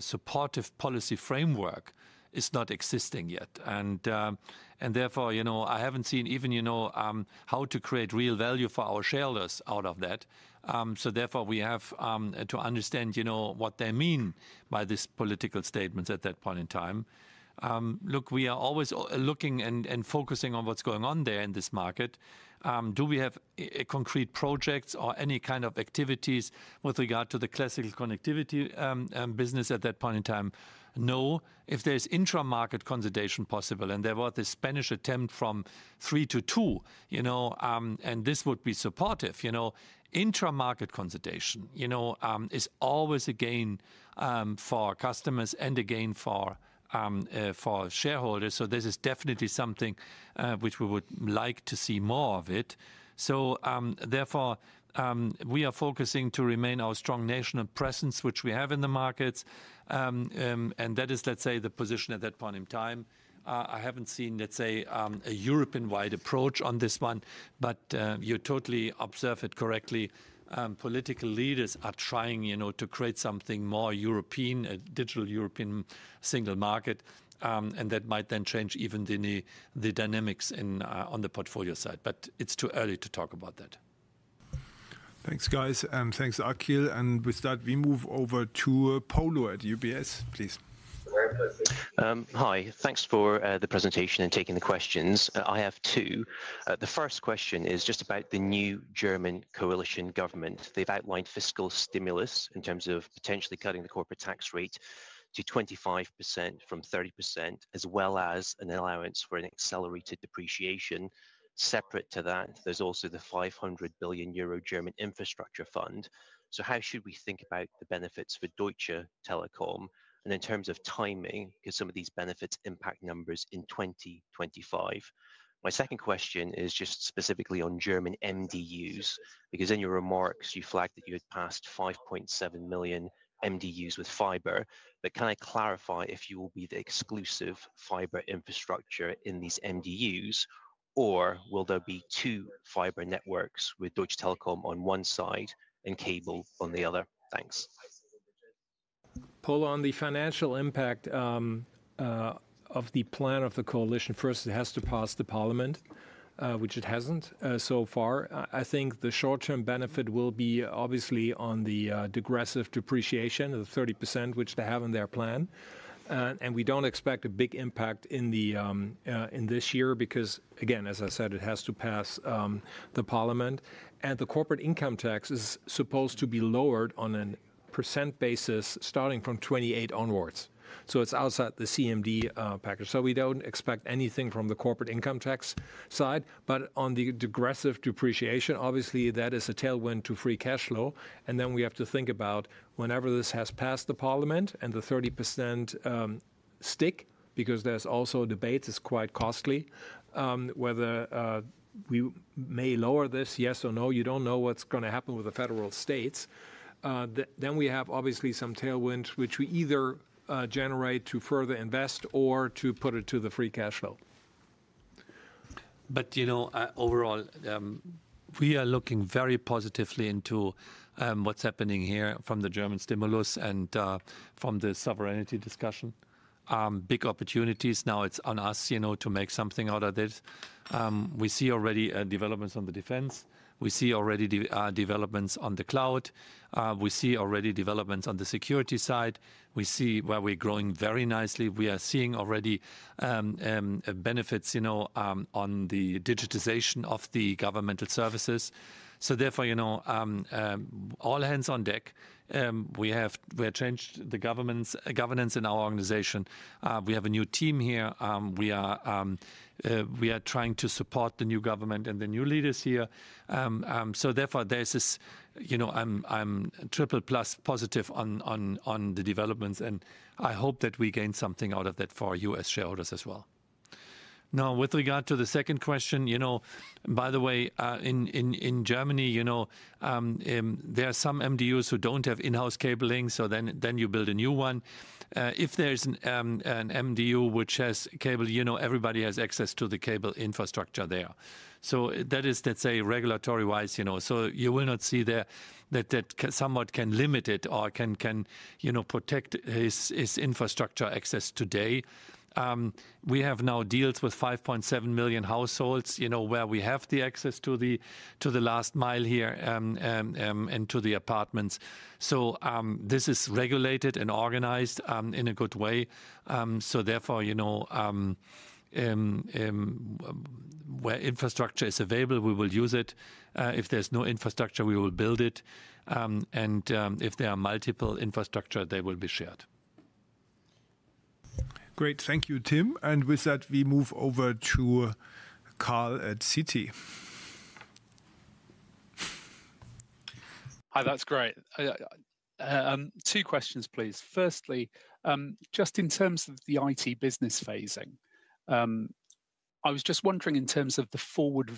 supportive policy framework is not existing yet. Therefore, you know, I have not seen even, you know, how to create real value for our shareholders out of that. Therefore, we have to understand, you know, what they mean by these political statements at that point in time. Look, we are always looking and focusing on what's going on there in this market. Do we have concrete projects or any kind of activities with regard to the classical connectivity business at that point in time? No. If there's intra-market consolidation possible, and there was this Spanish attempt from three to two, you know, and this would be supportive, you know, intra-market consolidation, you know, is always a gain for customers and a gain for shareholders. This is definitely something which we would like to see more of it. Therefore, we are focusing to remain our strong national presence, which we have in the markets. That is, let's say, the position at that point in time. I haven't seen, let's say, a European-wide approach on this one, but you totally observe it correctly. Political leaders are trying, you know, to create something more European, a digital European single market, and that might then change even the dynamics on the portfolio side. It's too early to talk about that.
Thanks, guys. Thanks, Akhil. With that, we move over to Polo at UBS, please.
Very pleasant. Hi. Thanks for the presentation and taking the questions. I have two. The first question is just about the new German coalition government. They've outlined fiscal stimulus in terms of potentially cutting the corporate tax rate to 25% from 30%, as well as an allowance for an accelerated depreciation. Separate to that, there's also the 500 billion euro German infrastructure fund. How should we think about the benefits for Deutsche Telekom? In terms of timing, because some of these benefits impact numbers in 2025. My second question is just specifically on German MDUs, because in your remarks, you flagged that you had passed 5.7 million MDUs with fiber. Can I clarify if you will be the exclusive fiber infrastructure in these MDUs, or will there be two fiber networks with Deutsche Telekom on one side and cable on the other? Thanks.
Polo, on the financial impact of the plan of the coalition, first, it has to pass the parliament, which it has not so far. I think the short-term benefit will be obviously on the digressive depreciation of 30%, which they have in their plan. We do not expect a big impact in this year because, again, as I said, it has to pass the parliament. The corporate income tax is supposed to be lowered on a percent basis starting from 2028 onwards. It is outside the CMD package. We do not expect anything from the corporate income tax side. On the digressive depreciation, obviously, that is a tailwind to Free Cash Flow. We have to think about whenever this has passed the parliament and the 30% stick, because there is also debate, it is quite costly, whether we may lower this, yes or no. You do not know what is going to happen with the federal states. We have obviously some tailwinds, which we either generate to further invest or to put it to the Free Cash Flow.
You know, overall, we are looking very positively into what is happening here from the German stimulus and from the sovereignty discussion. Big opportunities. Now it is on us, you know, to make something out of this. We see already developments on the defense. We see already developments on the cloud. We see already developments on the security side. We see where we're growing very nicely. We are seeing already benefits, you know, on the digitization of the governmental services. Therefore, you know, all hands on deck. We have changed the governance in our organization. We have a new team here. We are trying to support the new government and the new leaders here. Therefore, there's this, you know, I'm triple plus positive on the developments, and I hope that we gain something out of that for U.S. shareholders as well. Now, with regard to the second question, you know, by the way, in Germany, you know, there are some MDUs who don't have in-house cabling, so then you build a new one. If there's an MDU which has cable, you know, everybody has access to the cable infrastructure there. That is, let's say, regulatory-wise, you know, so you will not see that that somewhat can limit it or can, you know, protect his infrastructure access today. We have now deals with 5.7 million households, you know, where we have the access to the last mile here and to the apartments. This is regulated and organized in a good way. Therefore, you know, where infrastructure is available, we will use it. If there's no infrastructure, we will build it. If there are multiple infrastructures, they will be shared.
Great. Thank you, Tim. With that, we move over to Carl at Citi.
Hi, that's great. Two questions, please. Firstly, just in terms of the IT business phasing, I was just wondering in terms of the forward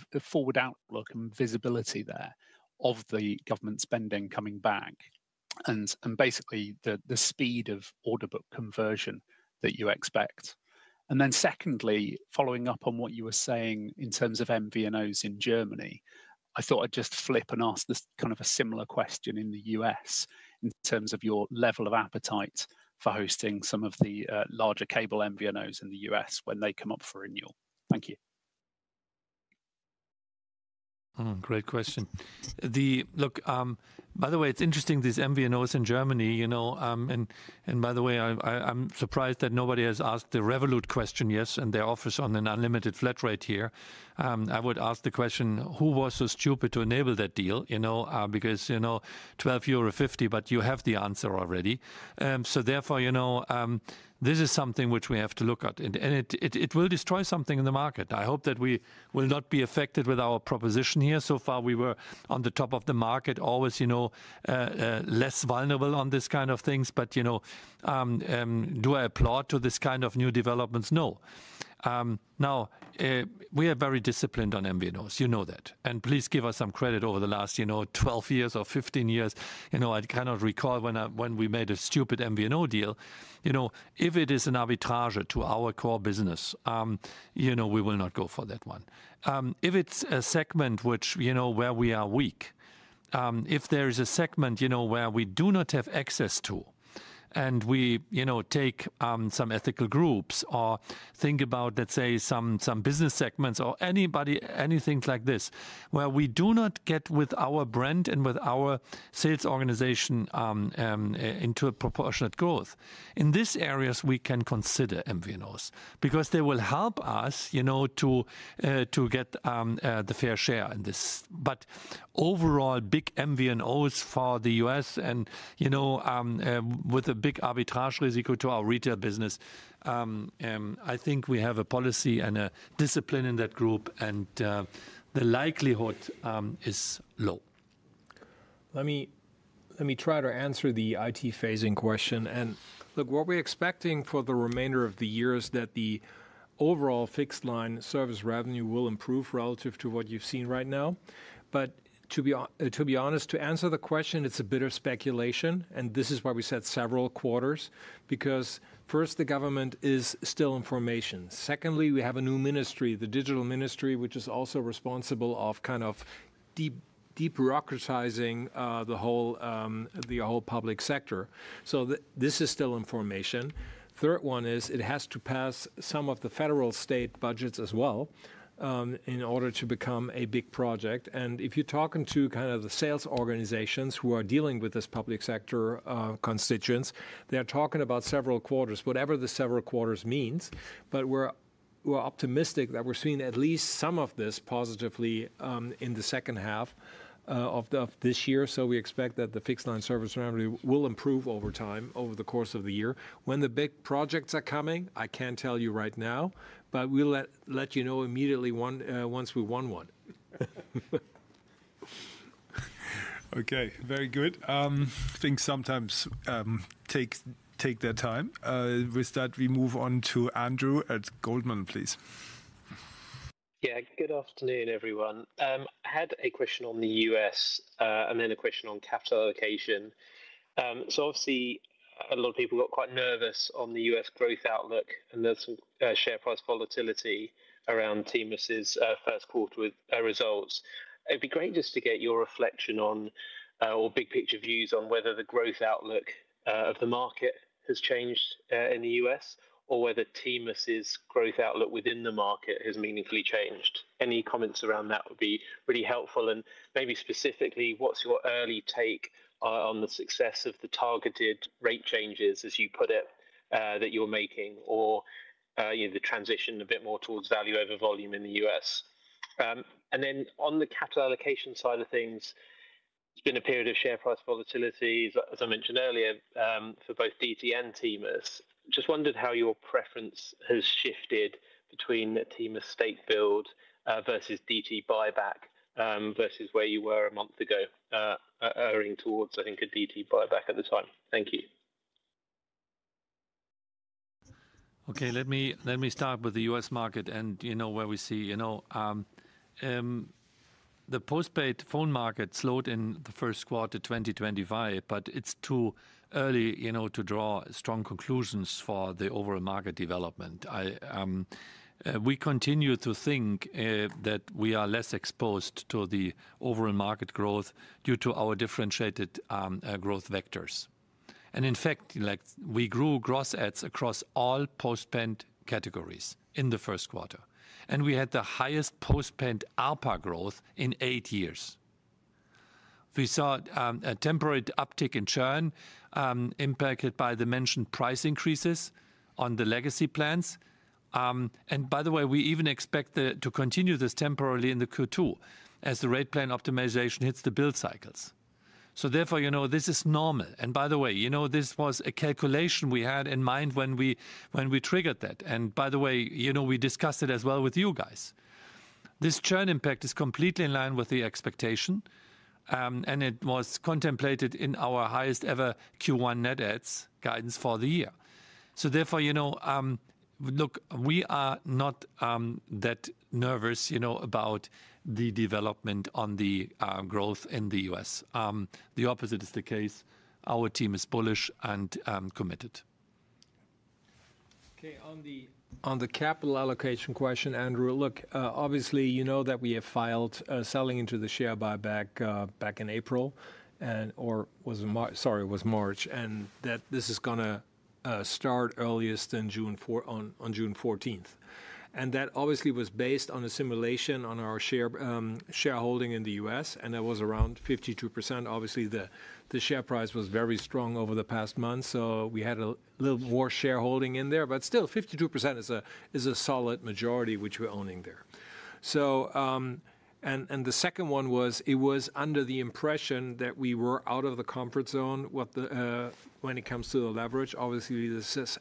outlook and visibility there of the government spending coming back and basically the speed of order book conversion that you expect. Secondly, following up on what you were saying in terms of MVNOs in Germany, I thought I'd just flip and ask this kind of a similar question in the U.S. in terms of your level of appetite for hosting some of the larger cable MVNOs in the U.S. when they come up for renewal. Thank you.
Great question. Look, by the way, it's interesting, these MVNOs in Germany, you know, and by the way, I'm surprised that nobody has asked the Revolut question, yes, and their offer on an unlimited flat rate here. I would ask the question, who was so stupid to enable that deal, you know, because, you know, 12.50 euro, but you have the answer already. Therefore, you know, this is something which we have to look at, and it will destroy something in the market. I hope that we will not be affected with our proposition here. So far, we were on the top of the market, always, you know, less vulnerable on this kind of things. You know, do I applaud to this kind of new developments? No. We are very disciplined on MVNOs, you know that. Please give us some credit over the last, you know, 12 years or 15 years. You know, I cannot recall when we made a stupid MVNO deal. You know, if it is an arbitrage to our core business, you know, we will not go for that one. If it's a segment which, you know, where we are weak, if there is a segment, you know, where we do not have access to, and we, you know, take some ethical groups or think about, let's say, some business segments or anybody, anything like this, where we do not get with our brand and with our sales organization into a proportionate growth, in these areas, we can consider MVNOs because they will help us, you know, to get the fair share in this. Overall, big MVNOs for the U.S. and, you know, with a big arbitrage risk to our retail business, I think we have a policy and a discipline in that group, and the likelihood is low.
Let me try to answer the IT phasing question. Look, what we're expecting for the remainder of the year is that the overall fixed line service revenue will improve relative to what you've seen right now. To be honest, to answer the question, it's a bit of speculation. This is why we said several quarters, because first, the government is still in formation. Secondly, we have a new ministry, the Digital Ministry, which is also responsible for kind of de-bureaucratizing the whole public sector. This is still in formation. Third one is it has to pass some of the federal state budgets as well in order to become a big project. If you're talking to kind of the sales organizations who are dealing with this public sector constituents, they're talking about several quarters, whatever the several quarters means. But we're optimistic that we're seeing at least some of this positively in the second half of this year. We expect that the fixed line service revenue will improve over time, over the course of the year. When the big projects are coming, I can't tell you right now, but we'll let you know immediately once we won one.
Okay, very good. Things sometimes take their time. With that, we move on to Andrew at Goldman, please.
Yeah, good afternoon, everyone. I had a question on the U.S. and then a question on capital allocation. Obviously, a lot of people got quite nervous on the U.S. growth outlook, and there's some share price volatility around T-Mobile U.S.'s first quarter results. It'd be great just to get your reflection on, or big picture views on whether the growth outlook of the market has changed in the U.S., or whether TMUS's growth outlook within the market has meaningfully changed. Any comments around that would be really helpful. Maybe specifically, what's your early take on the success of the targeted rate changes, as you put it, that you're making, or the transition a bit more towards value over volume in the U.S.? On the capital allocation side of things, it's been a period of share price volatilities, as I mentioned earlier, for both DT and TMUS. I just wondered how your preference has shifted between TMUS state build versus DT buyback versus where you were a month ago, erring towards, I think, a DT buyback at the time. Thank you.
Okay, let me start with the U.S. market and, you know, where we see, you know, the postpaid phone market slowed in the first quarter 2025, but it's too early, you know, to draw strong conclusions for the overall market development. We continue to think that we are less exposed to the overall market growth due to our differentiated growth vectors. And in fact, we grew gross ads across all postpaid categories in the first quarter, and we had the highest postpaid ARPA growth in eight years. We saw a temporary uptick in churn impacted by the mentioned price increases on the legacy plans. By the way, we even expect to continue this temporarily in the Q2 as the rate plan optimization hits the build cycles. Therefore, you know, this is normal. By the way, you know, this was a calculation we had in mind when we triggered that. By the way, you know, we discussed it as well with you guys. This churn impact is completely in line with the expectation, and it was contemplated in our highest ever Q1 net adds guidance for the year. Therefore, you know, look, we are not that nervous, you know, about the development on the growth in the U.S. The opposite is the case. Our team is bullish and committed.
Okay, on the capital allocation question, Andrew, look, obviously, you know that we have filed selling into the share buyback back in April, and or was it March, sorry, it was March, and that this is going to start earliest on June 14th. That obviously was based on a simulation on our shareholding in the U.S., and that was around 52%. Obviously, the share price was very strong over the past month, so we had a little more shareholding in there, but still, 52% is a solid majority which we're owning there. The second one was, it was under the impression that we were out of the comfort zone when it comes to the leverage. Obviously, this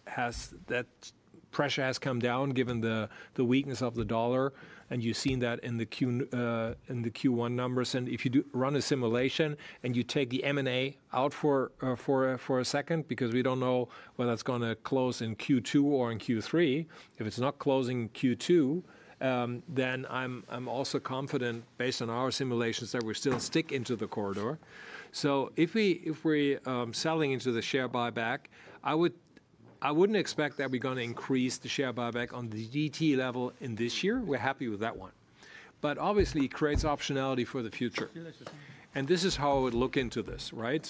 pressure has come down given the weakness of the dollar, and you've seen that in the Q1 numbers. If you run a simulation and you take the M&A out for a second, because we don't know whether it's going to close in Q2 or in Q3, if it's not closing Q2, then I'm also confident, based on our simulations, that we're still sticking to the corridor. If we're selling into the share buyback, I wouldn't expect that we're going to increase the share buyback on the DT level in this year. We're happy with that one. Obviously, it creates optionality for the future. This is how I would look into this, right?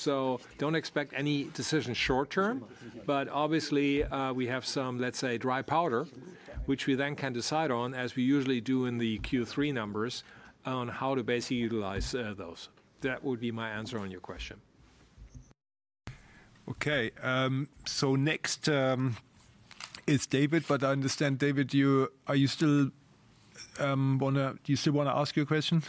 Don't expect any decision short term, but obviously, we have some, let's say, dry powder, which we then can decide on, as we usually do in the Q3 numbers, on how to basically utilize those. That would be my answer on your question.
Okay, next is David, but I understand, David, do you still want to ask your question?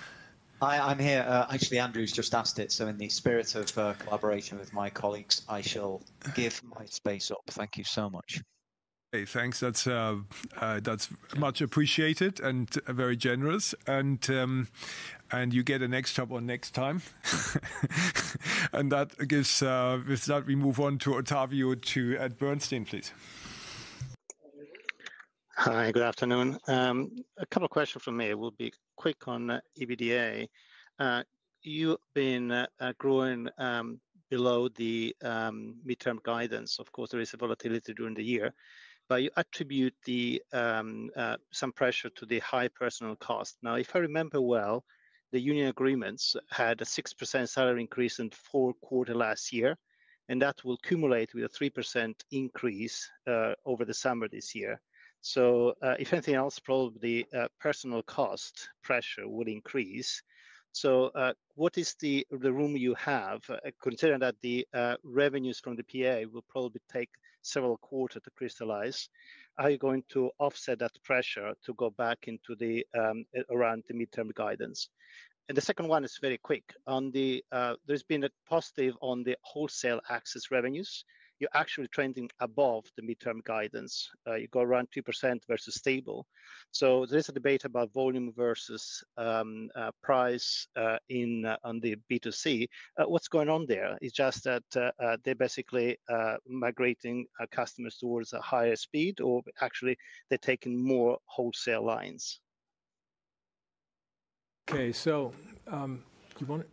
Hi, I'm here. Actually, Andrew's just asked it, so in the spirit of collaboration with my colleagues, I shall give my space up. Thank you so much.
Hey, thanks. That's much appreciated and very generous. You get a next job on next time. That gives, with that, we move on to Ottavio at Bernstein, please.
Hi, good afternoon. A couple of questions from me. It will be quick on EBITDA. You've been growing below the midterm guidance. Of course, there is a volatility during the year, but you attribute some pressure to the high personnel cost. Now, if I remember well, the union agreements had a 6% salary increase in the fourth quarter last year, and that will accumulate with a 3% increase over the summer this year. If anything else, probably personnel cost pressure will increase. What is the room you have, considering that the revenues from the PA will probably take several quarters to crystallize? How are you going to offset that pressure to go back into around the midterm guidance? The second one is very quick. There's been a positive on the wholesale access revenues. You're actually trending above the midterm guidance. You go around 2% versus stable. There is a debate about volume versus price on the B2C. What's going on there is just that they're basically migrating customers towards a higher speed, or actually, they're taking more wholesale lines.
Okay, do you want to,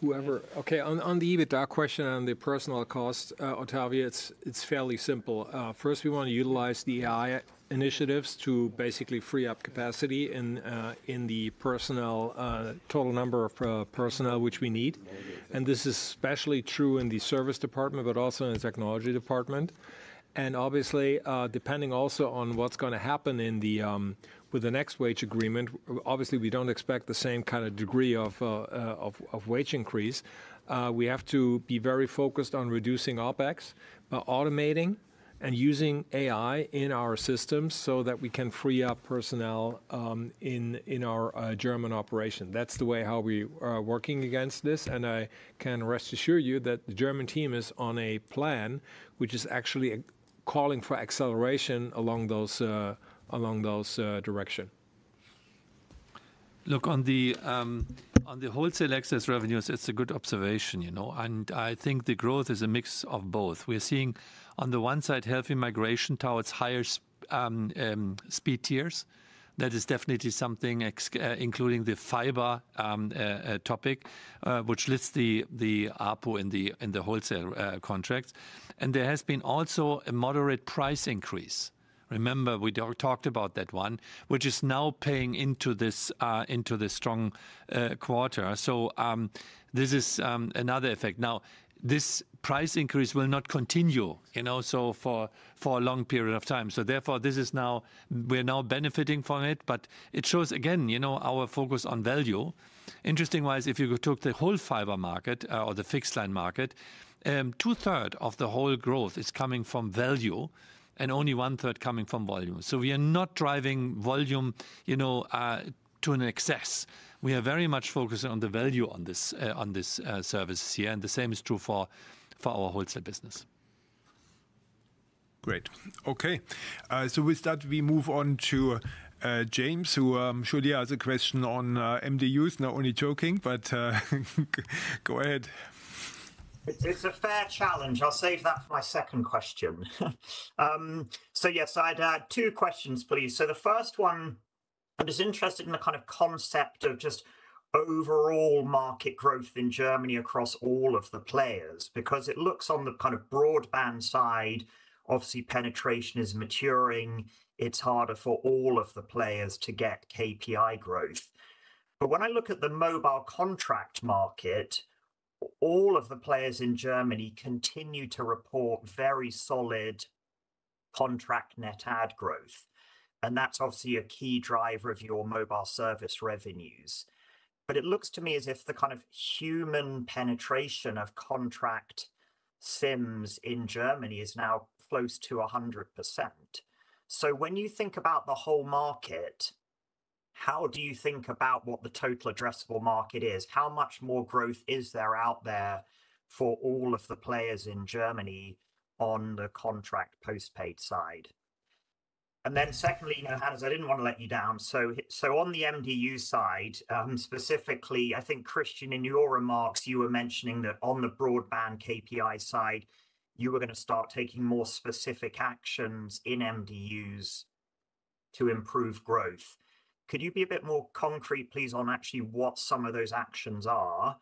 whoever,
Okay, on the EBITDA question on the personnel cost, Ottavio, it's fairly simple. First, we want to utilize the AI initiatives to basically free up capacity in the personnel, total number of personnel which we need. This is especially true in the service department, but also in the technology department. Obviously, depending also on what's going to happen with the next wage agreement, obviously, we don't expect the same kind of degree of wage increase. We have to be very focused on reducing OpEx, automating, and using AI in our systems so that we can free up personnel in our German operation. That is the way how we are working against this. I can rest assure you that the German team is on a plan which is actually calling for acceleration along those directions.
Look, on the wholesale access revenues, it is a good observation, you know, and I think the growth is a mix of both. We are seeing on the one side healthy migration towards higher speed tiers. That is definitely something, including the fiber topic, which lifts the ARPA in the wholesale contracts. There has been also a moderate price increase. Remember, we talked about that one, which is now paying into this strong quarter. This is another effect. Now, this price increase will not continue, you know, for a long period of time. Therefore, this is now, we're now benefiting from it, but it shows, again, you know, our focus on value. Interesting wise, if you took the whole fiber market or the fixed line market, two-thirds of the whole growth is coming from value and only one-third coming from volume. We are not driving volume, you know, to an excess. We are very much focused on the value on this service here, and the same is true for our wholesale business.
Great. Okay, with that, we move on to James, who I'm sure he has a question on MDUs. No, only joking, but go ahead.
It's a fair challenge. I'll save that for my second question. Yes, I'd add two questions, please. The first one, I'm just interested in the kind of concept of just overall market growth in Germany across all of the players, because it looks on the kind of broadband side, obviously, penetration is maturing. It's harder for all of the players to get KPI growth. When I look at the mobile contract market, all of the players in Germany continue to report very solid contract net ad growth. That's obviously a key driver of your mobile service revenues. It looks to me as if the kind of human penetration of contract SIMs in Germany is now close to 100%. When you think about the whole market, how do you think about what the total addressable market is? How much more growth is there out there for all of the players in Germany on the contract postpaid side? Then secondly, Johannes, I did not want to let you down. On the MDU side specifically, I think, Christian, in your remarks, you were mentioning that on the broadband KPI side, you were going to start taking more specific actions in MDUs to improve growth. Could you be a bit more concrete, please, on actually what some of those actions are?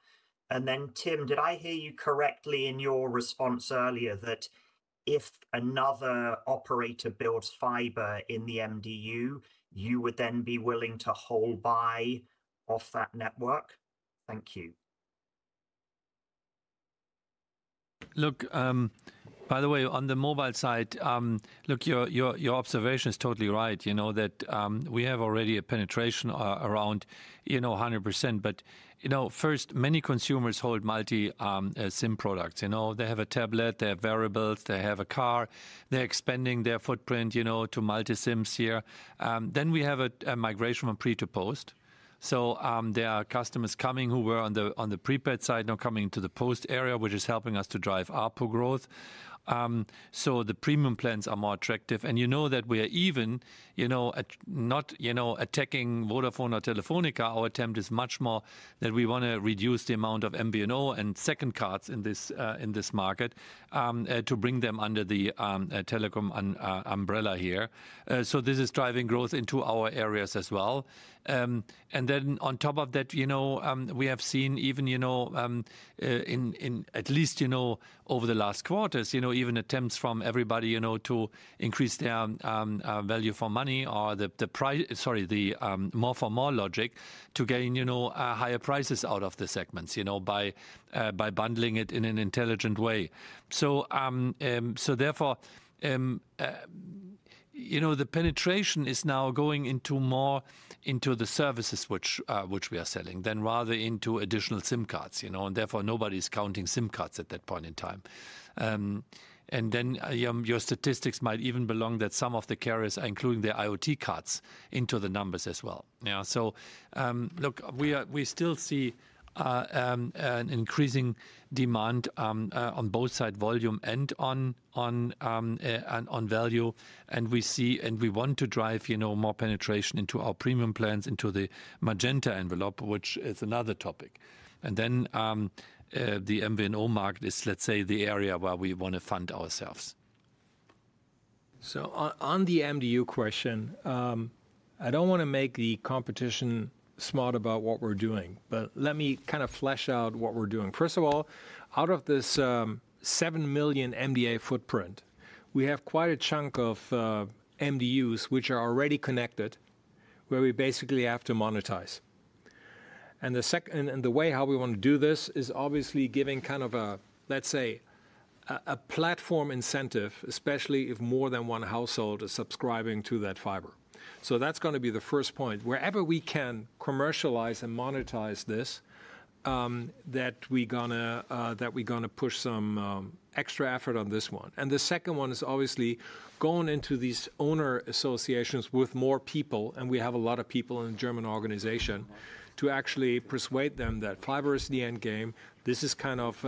Tim, did I hear you correctly in your response earlier that if another operator builds fiber in the MDU, you would then be willing to hold by off that network? Thank you.
By the way, on the mobile side, your observation is totally right, you know, that we have already a penetration around 100%. First, many consumers hold multi-SIM products. They have a tablet, they have wearables, they have a car. They're expanding their footprint, you know, to multi-SIMs here. We have a migration from pre to post. There are customers coming who were on the prepaid side, now coming into the post area, which is helping us to drive ARPA growth. The premium plans are more attractive. You know that we are even, you know, not, you know, attacking Vodafone or Telefónica. Our attempt is much more that we want to reduce the amount of MVNO and second cards in this market to bring them under the Telekom umbrella here. This is driving growth into our areas as well. On top of that, you know, we have seen even, you know, at least, you know, over the last quarters, you know, even attempts from everybody, you know, to increase their value for money or the price, sorry, the more for more logic to gain, you know, higher prices out of the segments, you know, by bundling it in an intelligent way. Therefore, you know, the penetration is now going more into the services which we are selling rather than into additional SIM cards, you know, and therefore nobody's counting SIM cards at that point in time. Your statistics might even belong that some of the carriers are including their IoT cards into the numbers as well. Yeah, so look, we still see an increasing demand on both side volume and on value. We see and we want to drive, you know, more penetration into our premium plans into the Magenta envelope, which is another topic. The MVNO market is, let's say, the area where we want to fund ourselves.
On the MDU question, I do not want to make the competition smart about what we are doing, but let me kind of flesh out what we are doing. First of all, out of this 7 million MDU footprint, we have quite a chunk of MDUs which are already connected where we basically have to monetize. The way we want to do this is obviously giving kind of a, let's say, a platform incentive, especially if more than one household is subscribing to that fiber. That is going to be the first point. Wherever we can commercialize and monetize this, that we're going to push some extra effort on this one. The second one is obviously going into these owner associations with more people, and we have a lot of people in the German organization to actually persuade them that fiber is the end game. This is kind of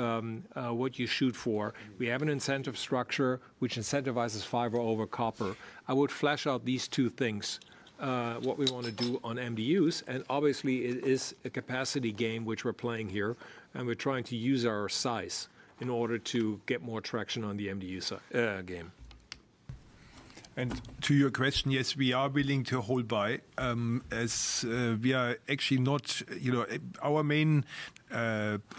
what you shoot for. We have an incentive structure which incentivizes fiber over copper. I would flesh out these two things, what we want to do on MDUs, and obviously it is a capacity game which we're playing here, and we're trying to use our size in order to get more traction on the MDU game.
To your question, yes, we are willing to hold by as we are actually not, you know, our main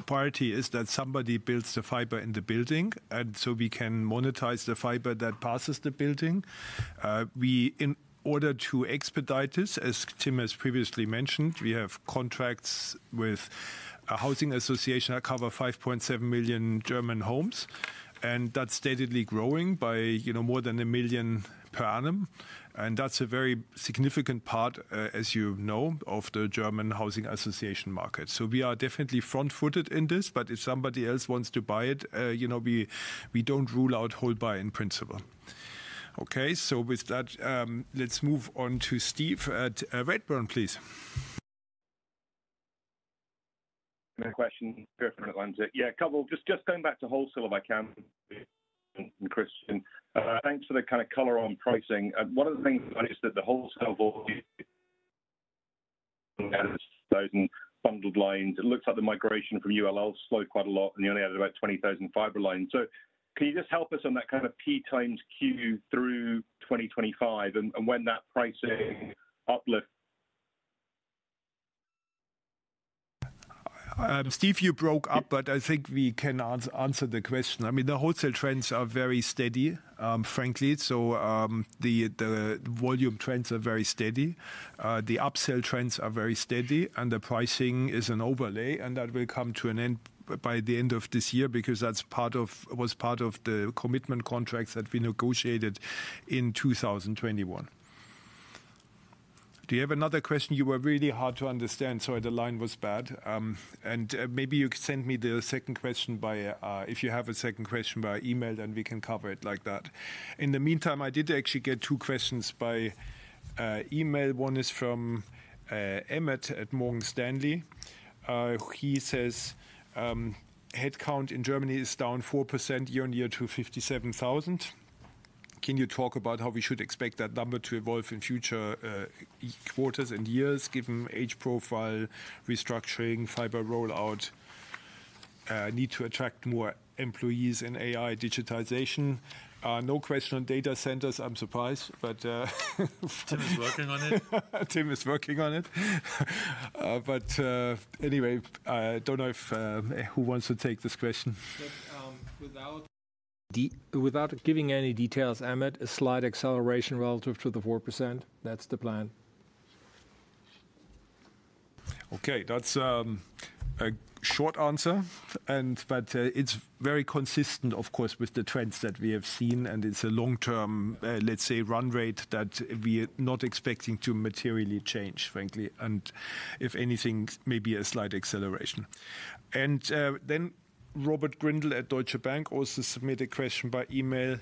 priority is that somebody builds the fiber in the building, and so we can monetize the fiber that passes the building. In order to expedite this, as Tim has previously mentioned, we have contracts with a housing association that cover 5.7 million German homes, and that is steadily growing by, you know, more than 1 million per annum. That is a very significant part, as you know, of the German housing association market. We are definitely front-footed in this, but if somebody else wants to buy it, you know, we do not rule out hold by in principle. Okay, with that, let's move on to Steve at Redburn, please.
Question, yeah, a couple just going back to wholesale, if I can, Christian, thanks for the kind of color on pricing. One of the things I noticed is that the wholesale volume and thousand bundled lines, it looks like the migration from ULL slowed quite a lot, and you only had about 20,000 fiber lines. Can you just help us on that kind of P times Q through 2025, and when that pricing uplift?
Steve, you broke up, but I think we can answer the question. I mean, the wholesale trends are very steady, frankly. The volume trends are very steady. The upsell trends are very steady, and the pricing is an overlay, and that will come to an end by the end of this year because that's part of what's part of the commitment contracts that we negotiated in 2021. Do you have another question? You were really hard to understand, so the line was bad. Maybe you could send me the second question by, if you have a second question by email, then we can cover it like that. In the meantime, I did actually get two questions by email. One is from Emmett at Morgan Stanley. He says, headcount in Germany is down 4% year-on-year to 57,000. Can you talk about how we should expect that number to evolve in future quarters and years, given age profile, restructuring, fiber rollout, need to attract more employees and AI digitization? No question on data centers, I'm surprised, but Tim is working on it. Tim is working on it. Anyway, I don't know who wants to take this question.
Without giving any details, Emmet, a slight acceleration relative to the 4%, that's the plan.
Okay, that's a short answer, but it's very consistent, of course, with the trends that we have seen, and it's a long-term, let's say, run rate that we are not expecting to materially change, frankly, and if anything, maybe a slight acceleration. Robert Grindle at Deutsche Bank also submitted a question by email,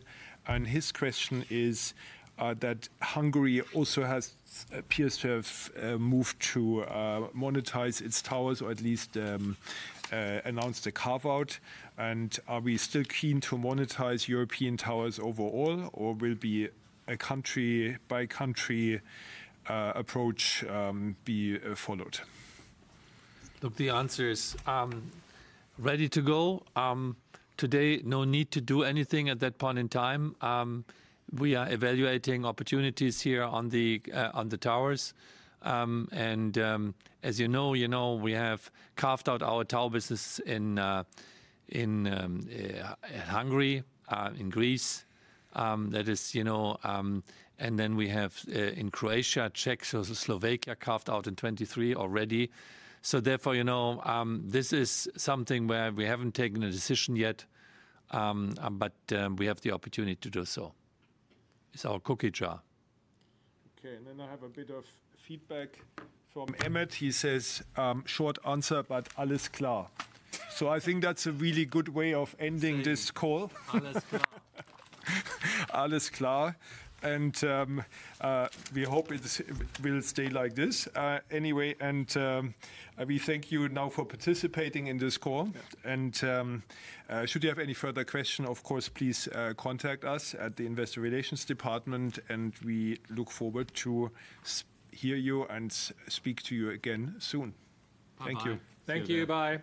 and his question is that Hungary also appears to have moved to monetize its towers, or at least announced a carve-out. Are we still keen to monetize European towers overall, or will a country-by-country approach be followed?
Look, the answer is ready to go. Today, no need to do anything at that point in time. We are evaluating opportunities here on the towers. As you know, we have carved out our tower business in Hungary, in Greece. That is, you know, and then we have in Croatia, Czechia, Slovakia carved out in 2023 already. Therefore, you know, this is something where we haven't taken a decision yet, but we have the opportunity to do so. It's our cookie jar.
Okay, and then I have a bit of feedback from Emmet. He says, short answer, but alles klar. I think that's a really good way of ending this call. Alles klar. Alles klar. We hope it will stay like this. Anyway, we thank you now for participating in this call. Should you have any further questions, of course, please contact us at the Investor Relations Department, and we look forward to hearing you and speaking to you again soon.
Thank you.
Thank you. Bye.